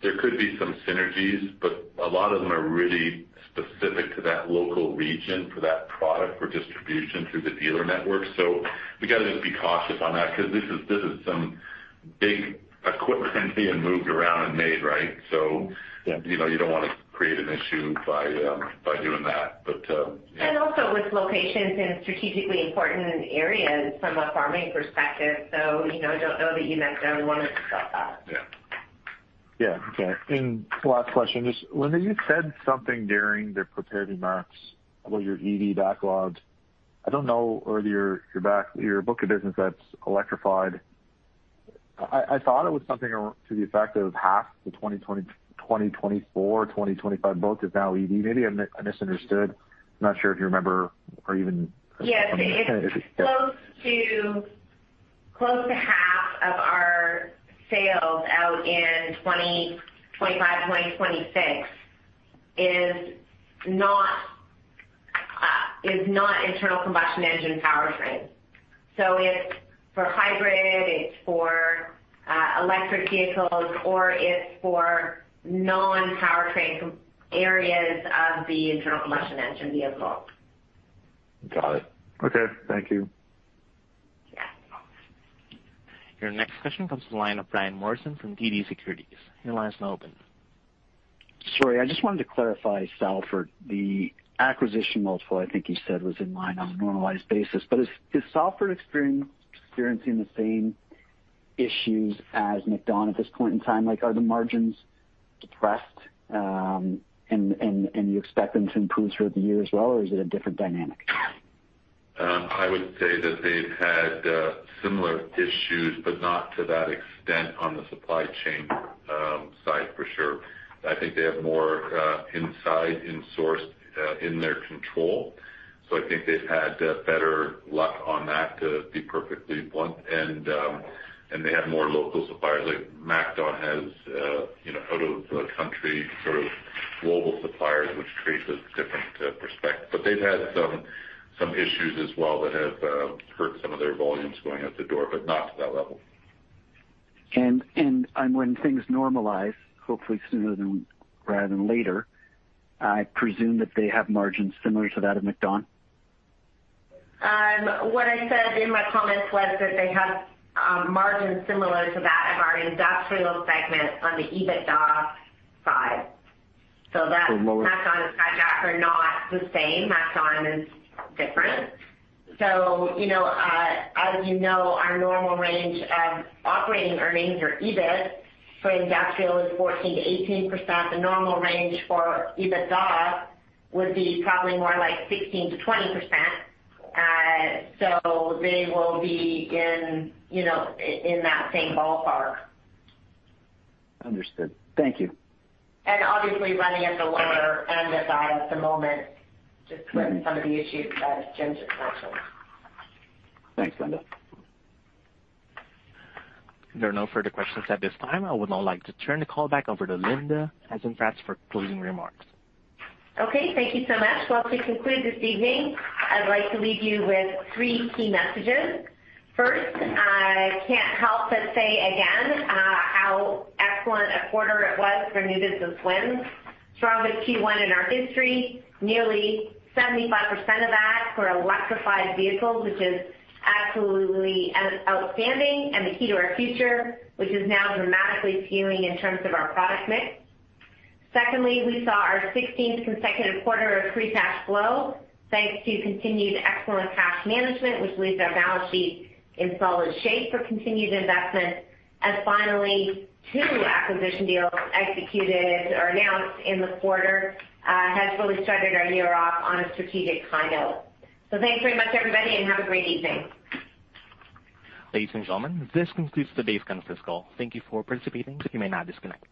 There could be some synergies, but a lot of them are really specific to that local region for that product for distribution through the dealer network. We gotta just be cautious on that because this is some big equipment being moved around and made, right? Yeah. You know, you don't wanna create an issue by doing that. Yeah. with locations in strategically important areas from a farming perspective. You know, don't know that you necessarily wanna give up that. Yeah. Yeah. Okay. Last question. Just, Linda, you said something during the prepared remarks about your EV backlog. I don't know whether your book of business that's electrified. I thought it was something to the effect of half the 2024, 2025 book is now EV. Maybe I misunderstood. Not sure if you remember or even Yes, it's close to half of our sales out in 2025-2026 is not internal combustion engine powertrains. It's for hybrid, it's for electric vehicles, or it's for non-powertrain areas of the internal combustion engine vehicle. Got it. Okay. Thank you. Yeah. Your next question comes from the line of Brian Morrison from TD Securities. Your line is now open. Sorry, I just wanted to clarify Salford. The acquisition multiple, I think you said, was in line on a normalized basis. Is Salford experiencing the same issues as MacDon at this point in time? Like, are the margins depressed, and you expect them to improve through the year as well, or is it a different dynamic? I would say that they've had similar issues, but not to that extent on the supply chain side for sure. I think they have more in-sourced in their control. I think they've had better luck on that, to be perfectly blunt. They have more local suppliers. Like, MacDon has you know, out of the country sort of global suppliers, which creates a different perspective. They've had some issues as well that have hurt some of their volumes going out the door, but not to that level. When things normalize, hopefully sooner rather than later, I presume that they have margins similar to that of MacDon. What I said in my comments was that they have margins similar to that of our industrial segment on the EBITDA side. Lower. MacDon and Skyjack are not the same. MacDon is different. You know, as you know, our normal range of operating earnings or EBIT for industrial is 14%-18%. The normal range for EBITDA would be probably more like 16%-20%. They will be in, you know, in that same ballpark. Understood. Thank you. Obviously running at the lower end of that at the moment, just with some of the issues that Jim just mentioned. Thanks, Linda. If there are no further questions at this time, I would now like to turn the call back over to Linda Hasenfratz for closing remarks. Okay, thank you so much. Well, to conclude this evening, I'd like to leave you with three key messages. First, I can't help but say again how excellent a quarter it was for New Business Wins. Strongest Q1 in our history. Nearly 75% of that were electrified vehicles, which is absolutely outstanding and the key to our future, which is now dramatically scaling in terms of our product mix. Secondly, we saw our 16th consecutive quarter of free cash flow, thanks to continued excellent cash management, which leaves our balance sheet in solid shape for continued investment. Finally, two acquisition deals executed or announced in the quarter has really started our year off on a strategic high note. Thanks very much, everybody, and have a great evening. Ladies and gentlemen, this concludes today's conference call. Thank you for participating. You may now disconnect.